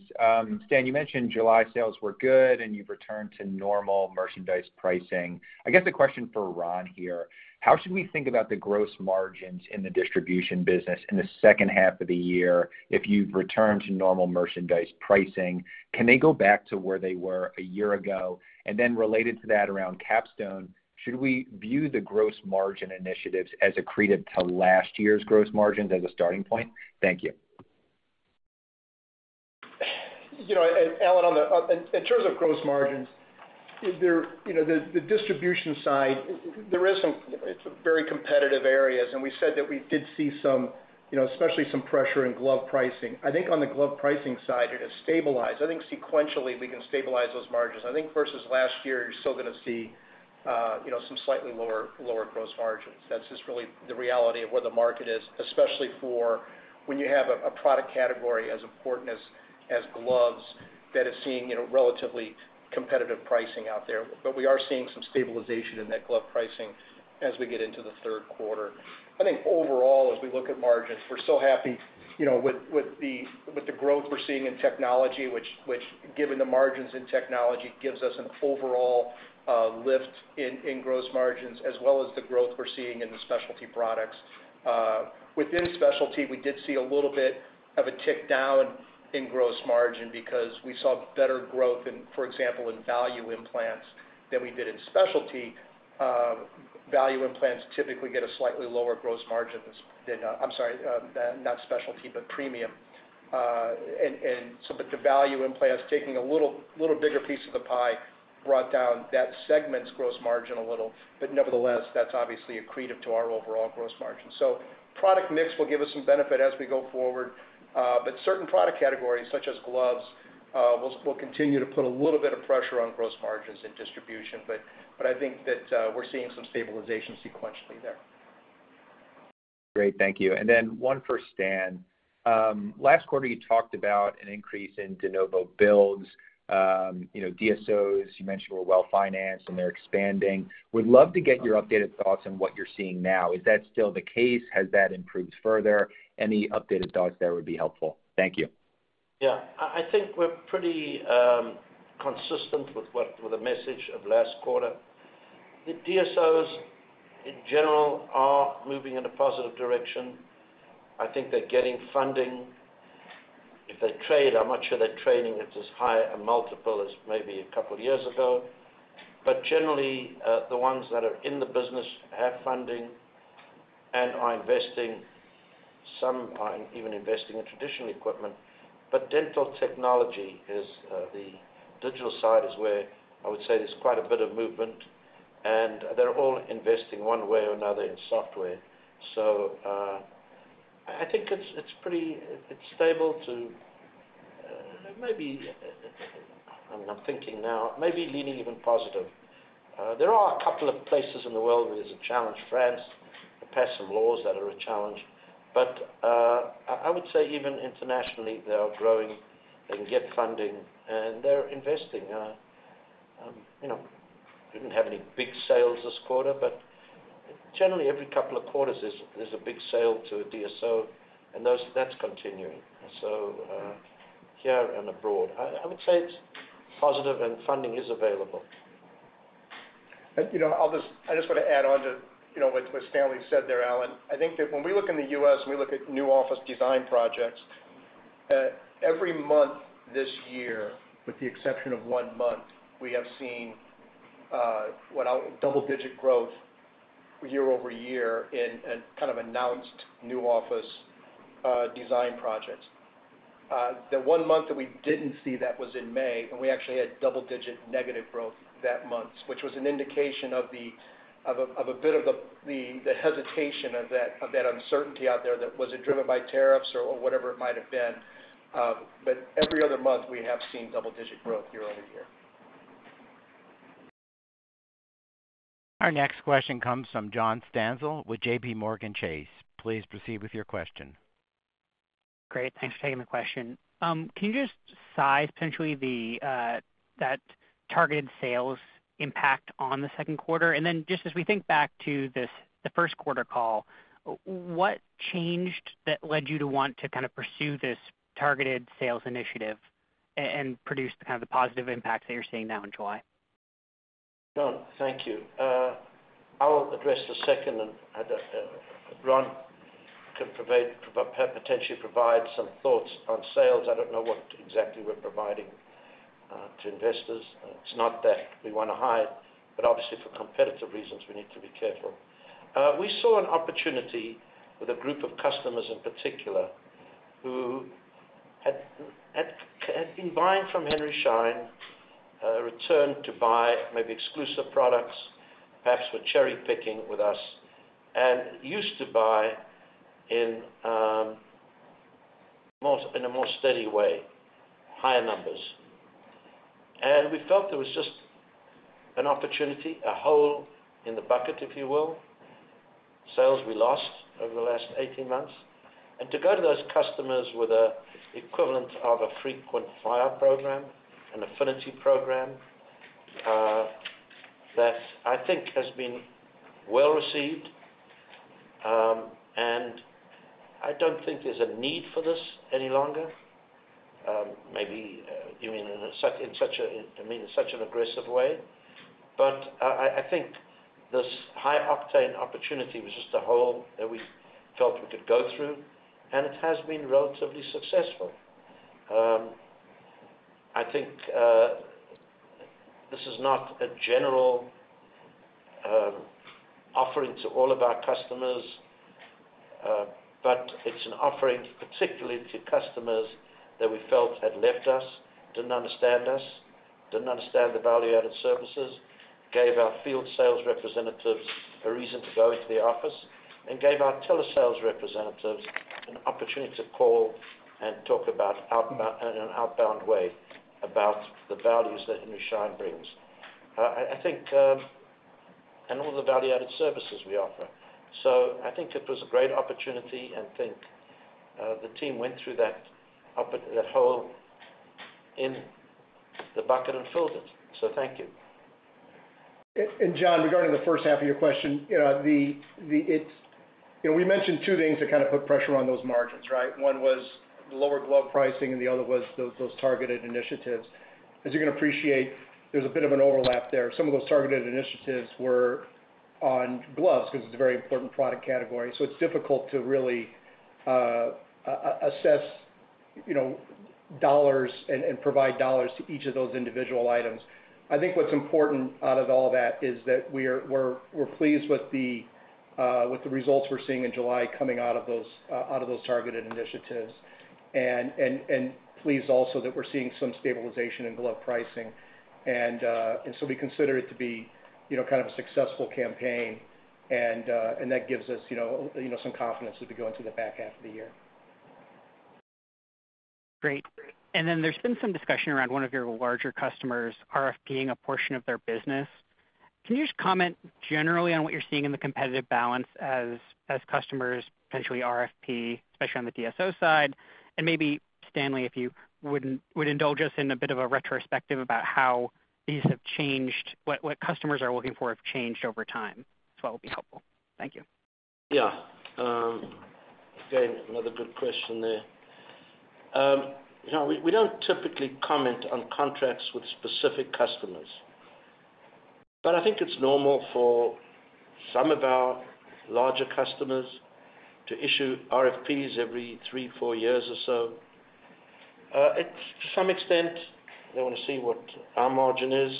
Stan, you mentioned July sales were good and you've returned to normal merchandise pricing. I guess a question for Ron here. How should we think about the gross margins in the distribution business in the second half of the year if you've returned to normal merchandise pricing? Can they go back to where they were a year ago? Related to that around Capstone, should we view the gross margin initiatives as accretive to last year's gross margins as a starting point? Thank you. Allen, in terms of gross margins, you know the distribution side, there are some very competitive areas, and we said that we did see some, you know, especially some pressure in glove pricing. I think on the glove pricing side, it has stabilized. I think sequentially, we can stabilize those margins. I think versus last year, you're still going to see, you know, some slightly lower gross margins. That's just really the reality of where the market is, especially for when you have a product category as important as gloves that is seeing, you know, relatively competitive pricing out there. We are seeing some stabilization in that glove pricing as we get into the third quarter. I think overall, if we look at margins, we're so happy, you know, with the growth we're seeing in technology, which, given the margins in technology, gives us an overall lift in gross margins, as well as the growth we're seeing in the specialty products. Within specialty, we did see a little bit of a tick down in gross margin because we saw better growth in, for example, in value implants than we did in specialty. Value implants typically get a slightly lower gross margin than, I'm sorry, not specialty, but premium. The value implants taking a little bigger piece of the pie brought down that segment's gross margin a little, but nevertheless, that's obviously accretive to our overall gross margin. Product mix will give us some benefit as we go forward, but certain product categories, such as gloves, will continue to put a little bit of pressure on gross margins in distribution. I think that we're seeing some stabilization sequentially there. Great. Thank you. One for Stan. Last quarter, you talked about an increase in De Novo builds, you know, DSOs. You mentioned we're well financed and they're expanding. We'd love to get your updated thoughts on what you're seeing now. Is that still the case? Has that improved further? Any updated thoughts there would be helpful. Thank you. Yeah, I think we're pretty consistent with the message of last quarter. The DSOs in general are moving in a positive direction. I think they're getting funding. If they trade, I'm not sure they're trading at as high a multiple as maybe a couple of years ago. Generally, the ones that are in the business have funding and are investing, some even investing in traditional equipment. Dental technology is the digital side, is where I would say there's quite a bit of movement, and they're all investing one way or another in software. I think it's pretty stable to maybe, I'm thinking now, maybe leaning even positive. There are a couple of places in the world where there's a challenge. France passed some laws that are a challenge. I would say even internationally, they are growing. They can get funding and they're investing. We didn't have any big sales this quarter, but generally, every couple of quarters there's a big sale to a DSO, and that's continuing. Here and abroad, I would say it's positive and funding is available. I just want to add on to what Stanley said there, Alan. I think that when we look in the U.S. and we look at new office design projects, every month this year, with the exception of one month, we have seen what I'll call double-digit growth year-over-year in kind of announced new office design projects. The one month that we didn't see that was in May, and we actually had double-digit negative growth that month, which was an indication of a bit of the hesitation of that uncertainty out there that was it driven by tariffs or whatever it might have been. Every other month, we have seen double-digit growth year-over-year. Our next question comes from John Stansel with JPMorgan Chase. Please proceed with your question. Great. Thanks for taking the question. Can you just size potentially that targeted sales impact on the second quarter? As we think back to the first quarter call, what changed that led you to want to kind of pursue this targeted sales initiative and produce the kind of the positive impacts that you're seeing now in July? No, thank you. I'll address the second, and I just have Ron can potentially provide some thoughts on sales. I don't know what exactly we're providing to investors. It's not that we want to hire, but obviously for competitive reasons, we need to be careful. We saw an opportunity with a group of customers in particular who had been buying from Henry Schein, returned to buy maybe exclusive products, perhaps were cherry-picking with us, and used to buy in a more steady way, higher numbers. We felt there was just an opportunity, a hole in the bucket, if you will, sales we lost over the last 18 months. To go to those customers with an equivalent of a frequent flyer program and affinity program, that I think has been well received. I don't think there's a need for this any longer. Maybe you mean in such an aggressive way. I think this high octane opportunity was just a hole that we felt we could go through, and it has been relatively successful. I think this is not a general offering to all of our customers, but it's an offering particularly to customers that we felt had left us, didn't understand us, didn't understand the value-added services, gave our Field Sales Representatives a reason to go into the office, and gave our Telesales Representatives an opportunity to call and talk about in an outbound way about the values that Henry Schein brings. I think, and all the value-added services we offer. I think it was a great opportunity, and I think the team went through that hole in the bucket and filled it. Thank you. John, regarding the first half of your question, we mentioned two things that kind of put pressure on those margins, right? One was the lower glove pricing, and the other was those targeted initiatives. As you can appreciate, there's a bit of an overlap there. Some of those targeted initiatives were on gloves because it's a very important product category. It's difficult to really assess dollars and provide dollars to each of those individual items. I think what's important out of all that is that we're pleased with the results we're seeing in July coming out of those targeted initiatives. We're also pleased that we're seeing some stabilization in glove pricing. We consider it to be kind of a successful campaign, and that gives us some confidence as we go into the back half of the year. Great. There has been some discussion around one of your larger customers RFPing a portion of their business. Can you just comment generally on what you're seeing in the competitive balance as customers potentially RFP, especially on the DSO side? Maybe, Stanley, if you would indulge us in a bit of a retrospective about how these have changed, what customers are looking for have changed over time, as well would be helpful. Thank you. Yeah. Stan, another good question there. We don't typically comment on contracts with specific customers. I think it's normal for some of our larger customers to issue RFPs every three, four years or so. To some extent, they want to see what our margin is.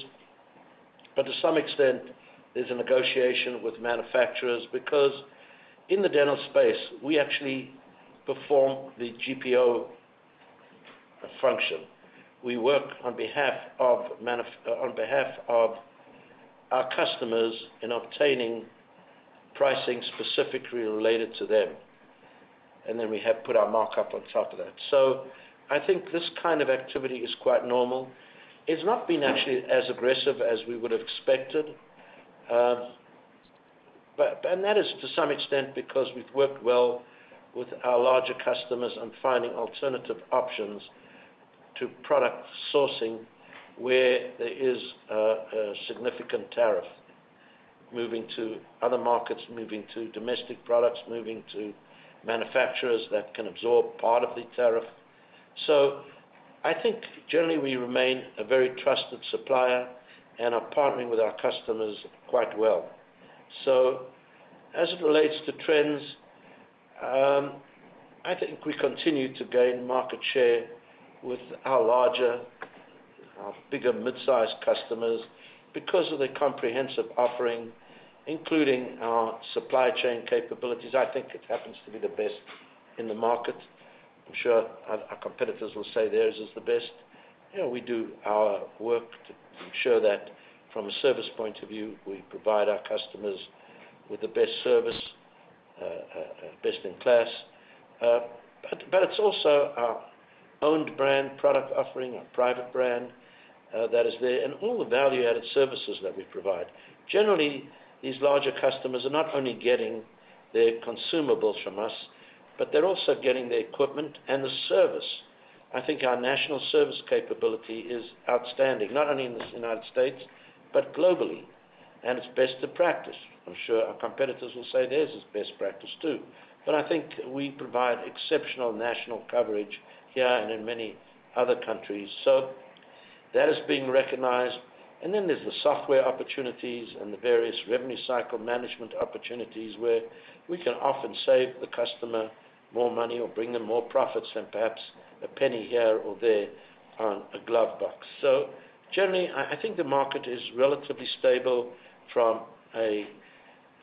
To some extent, there's a negotiation with manufacturers because in the dental space, we actually perform the GPO function. We work on behalf of our customers in obtaining pricing specifically related to them, and then we have put our markup on top of that. I think this kind of activity is quite normal. It's not been actually as aggressive as we would have expected. That is to some extent because we've worked well with our larger customers on finding alternative options to product sourcing where there is a significant tariff, moving to other markets, moving to domestic products, moving to manufacturers that can absorb part of the tariff. I think generally we remain a very trusted supplier and are partnering with our customers quite well. As it relates to trends, I think we continue to gain market share with our larger, our bigger mid-sized customers because of the comprehensive offering, including our supply chain capabilities. I think it happens to be the best in the market. I'm sure our competitors will say theirs is the best. We do our work to ensure that from a service point of view, we provide our customers with the best service, best in class. It's also our owned brand product offering, our private brand that is there, and all the value-added services that we provide. Generally, these larger customers are not only getting their consumables from us, but they're also getting the equipment and the service. I think our national service capability is outstanding, not only in the United States, but globally. It's best to practice. I'm sure our competitors will say theirs is best practice too. I think we provide exceptional national coverage here and in many other countries. That is being recognized. Then there's the software opportunities and the various revenue cycle management opportunities where we can often save the customer more money or bring them more profits than perhaps a penny here or there on a glove box. Generally, I think the market is relatively stable from a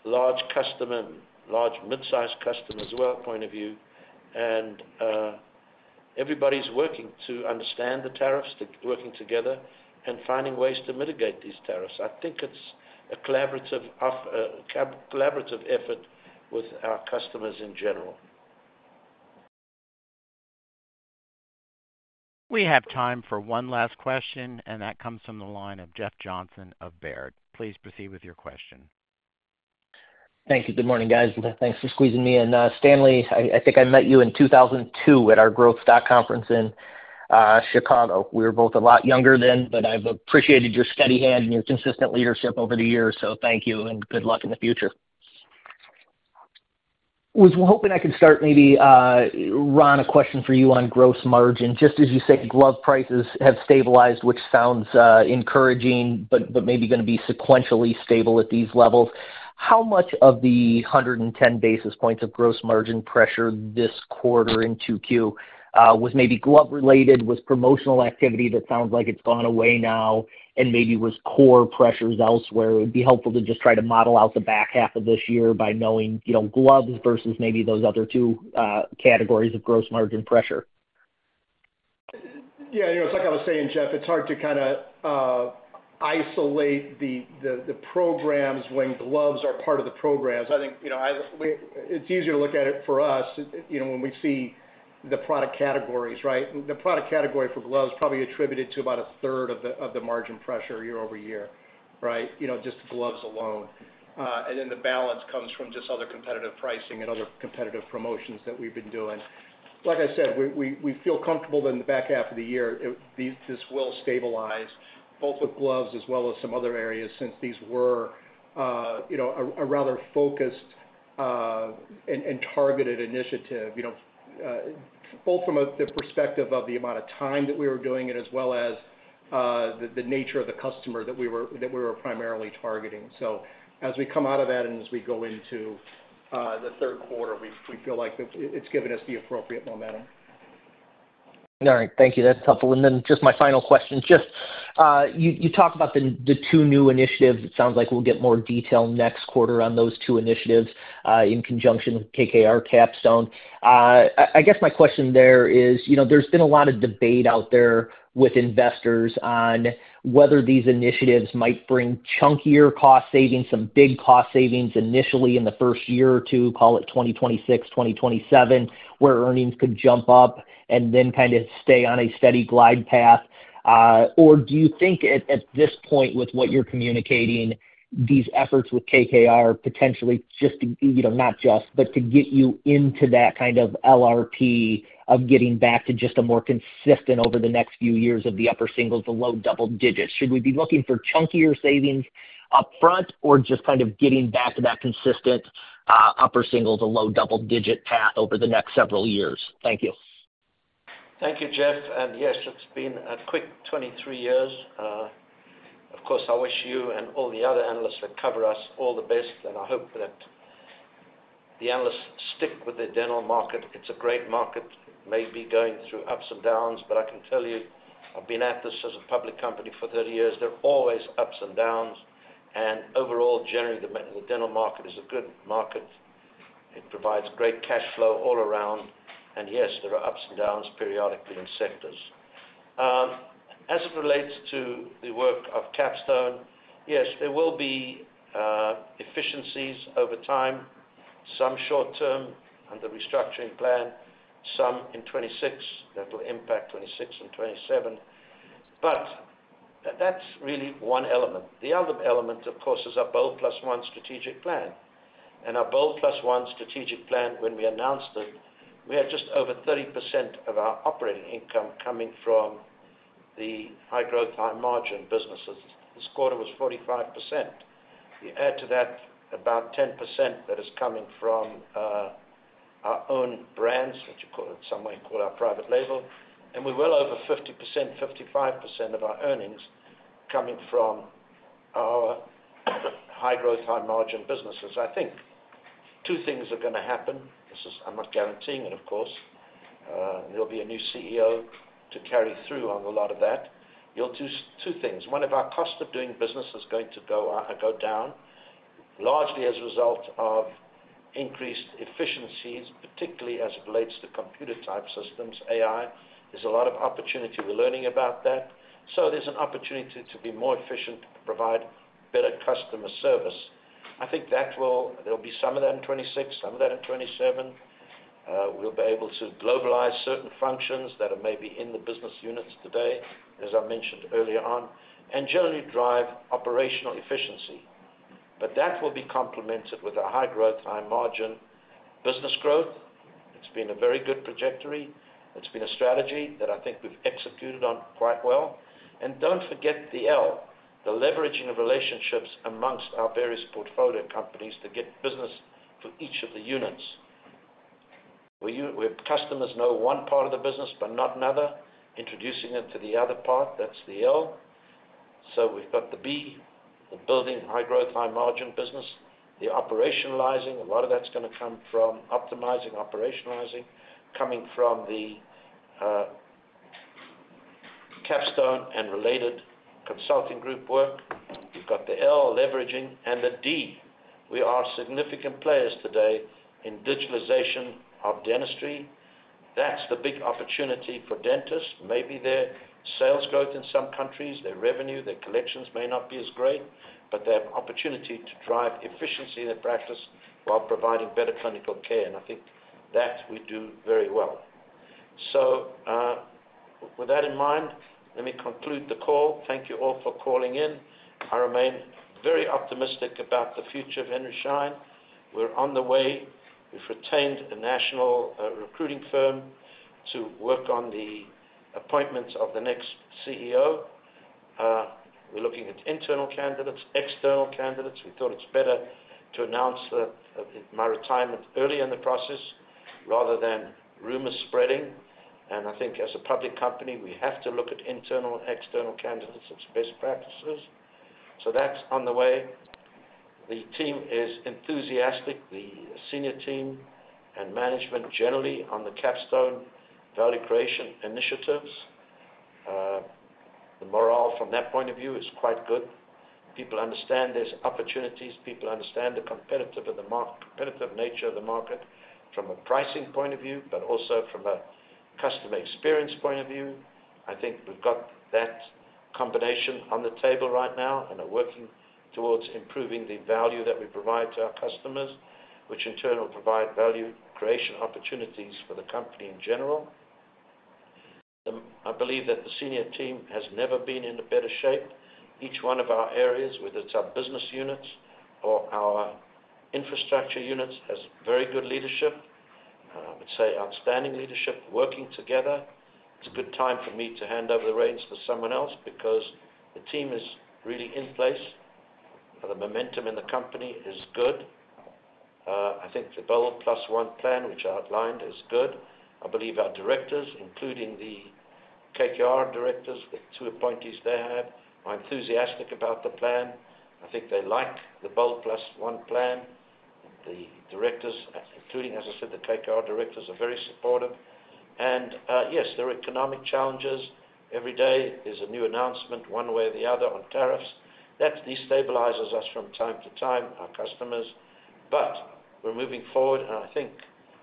large customer, large mid-sized customer as well point of view. Everybody's working to understand the tariffs, working together, and finding ways to mitigate these tariffs. I think it's a collaborative effort with our customers in general. We have time for one last question, and that comes from the line of Jeff Johnson of Baird. Please proceed with your question. Thank you. Good morning, guys. Thanks for squeezing me in. Stanley, I think I met you in 2002 at our Growth Stock Conference in Chicago. We were both a lot younger then, but I've appreciated your steady hand and your consistent leadership over the years. Thank you and good luck in the future. I was hoping I could start, maybe, Ron, a question for you on gross margin. Just as you said, glove prices have stabilized, which sounds encouraging, but maybe going to be sequentially stable at these levels. How much of the 110 basis points of gross margin pressure this quarter in Q2 was maybe glove-related, was promotional activity that sounds like it's gone away now, and maybe was core pressures elsewhere? It would be helpful to just try to model out the back half of this year by knowing, you know, gloves versus maybe those other two categories of gross margin pressure. It's like I was saying, Jeff, it's hard to kind of isolate the programs when gloves are part of the programs. I think it's easier to look at it for us when we see the product categories, right? The product category for gloves is probably attributed to about a third of the margin pressure year over year, just the gloves alone. The balance comes from just other competitive pricing and other competitive promotions that we've been doing. Like I said, we feel comfortable that in the back half of the year, this will stabilize both with gloves as well as some other areas since these were a rather focused and targeted initiative, both from the perspective of the amount of time that we were doing it, as well as the nature of the customer that we were primarily targeting. As we come out of that and as we go into the third quarter, we feel like it's given us the appropriate momentum. All right. Thank you. That's helpful. Just my final question. You talked about the two new initiatives. It sounds like we'll get more detail next quarter on those two initiatives in conjunction with KKR Capstone. My question there is, you know, there's been a lot of debate out there with investors on whether these initiatives might bring chunkier cost savings, some big cost savings initially in the first year or two, call it 2026, 2027, where earnings could jump up and then kind of stay on a steady glide path. Do you think at this point, with what you're communicating, these efforts with KKR potentially just, you know, not just, but to get you into that kind of LRP of getting back to just a more consistent over the next few years of the upper single to low double digits? Should we be looking for chunkier savings upfront or just kind of getting back to that consistent upper single to low double digit path over the next several years? Thank you. Thank you, Jeff. Yes, it's been a quick 23 years. Of course, I wish you and all the other analysts that cover us all the best, and I hope that the analysts stick with the dental market. It's a great market. It may be going through ups and downs, but I can tell you, I've been at this as a public company for 30 years. There are always ups and downs. Overall, generally, the dental market is a good market. It provides great cash flow all around. Yes, there are ups and downs periodically in sectors. As it relates to the work of KKR Capstone, there will be efficiencies over time, some short term under restructuring plan, some in 2026 that will impact 2026 and 2027. That's really one element. The other element, of course, is our Bold Plus One strategic plan. Our Bold Plus One strategic plan, when we announced it, we had just over 30% of our operating income coming from the high growth high margin businesses. This quarter was 45%. You add to that about 10%. That is coming from our own brands, which some might call our private label. We will have over 50%, 55% of our earnings coming from our high-growth, high-margin businesses. I think two things are going to happen. This is, I'm not guaranteeing it, of course. There will be a new CEO to carry through on a lot of that. You'll do two things. One, our cost of doing business is going to go down, largely as a result of increased efficiencies, particularly as it relates to computer-type systems, AI. There's a lot of opportunity. We're learning about that. There's an opportunity to be more efficient, to provide better customer service. I think that will, there will be some of that in 2026, some of that in 2027. We'll be able to globalize certain functions that are maybe in the business units today, as I mentioned earlier on, and generally drive operational efficiency. That will be complemented with a high-growth, high-margin business growth. It's been a very good trajectory. It's been a strategy that I think we've executed on quite well. Don't forget the L, the leveraging of relationships amongst our various portfolio companies to get business for each of the units. Customers know one part of the business but not another. Introducing them to the other part, that's the L. We've got the B, the building high-growth, high-margin business. The operationalizing, a lot of that's going to come from optimizing, operationalizing, coming from the Capstone and related consulting group work. You've got the L, leveraging, and the D. We are significant players today in digitalization of dentistry. That's the big opportunity for dentists. Maybe their sales growth in some countries, their revenue, their collections may not be as great, but they have opportunity to drive efficiency in their practice while providing better clinical care. I think that we do very well. With that in mind, let me conclude the call. Thank you all for calling in. I remain very optimistic about the future of Henry Schein. We're on the way. We've retained a national recruiting firm to work on the appointments of the next CEO. We're looking at internal candidates, external candidates. We thought it's better to announce my retirement earlier in the process rather than rumors spreading. I think as a public company, we have to look at internal, external candidates as best practices. That's on the way. The team is enthusiastic, the senior team and management generally on the Capstone value creation initiatives. The morale from that point of view is quite good. People understand there's opportunities. People understand the competitive nature of the market from a pricing point of view, but also from a customer experience point of view. I think we've got that combination on the table right now and are working towards improving the value that we provide to our customers, which in turn will provide value creation opportunities for the company in general. I believe that the senior team has never been in a better shape. Each one of our areas, whether it's our business units or our infrastructure units, has very good leadership. I would say outstanding leadership working together. It's a good time for me to hand over the reins to someone else because the team is really in place. The momentum in the company is good. I think the BOLD Plus One plan, which I outlined, is good. I believe our directors, including the KKR directors, the two appointees they have, are enthusiastic about the plan. I think they like the BOLD Plus One plan. The directors, including, as I said, the KKR directors, are very supportive. Yes, there are economic challenges. Every day is a new announcement one way or the other on tariffs. That destabilizes us from time to time, our customers. We're moving forward, and I think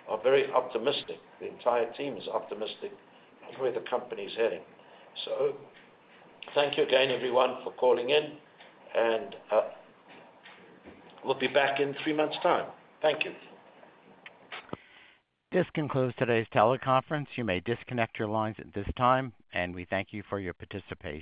are very optimistic. The entire team is optimistic with where the company is heading. Thank you again, everyone, for calling in, and we'll be back in three months' time. Thank you. This concludes today's teleconference. You may disconnect your lines at this time, and we thank you for your participation.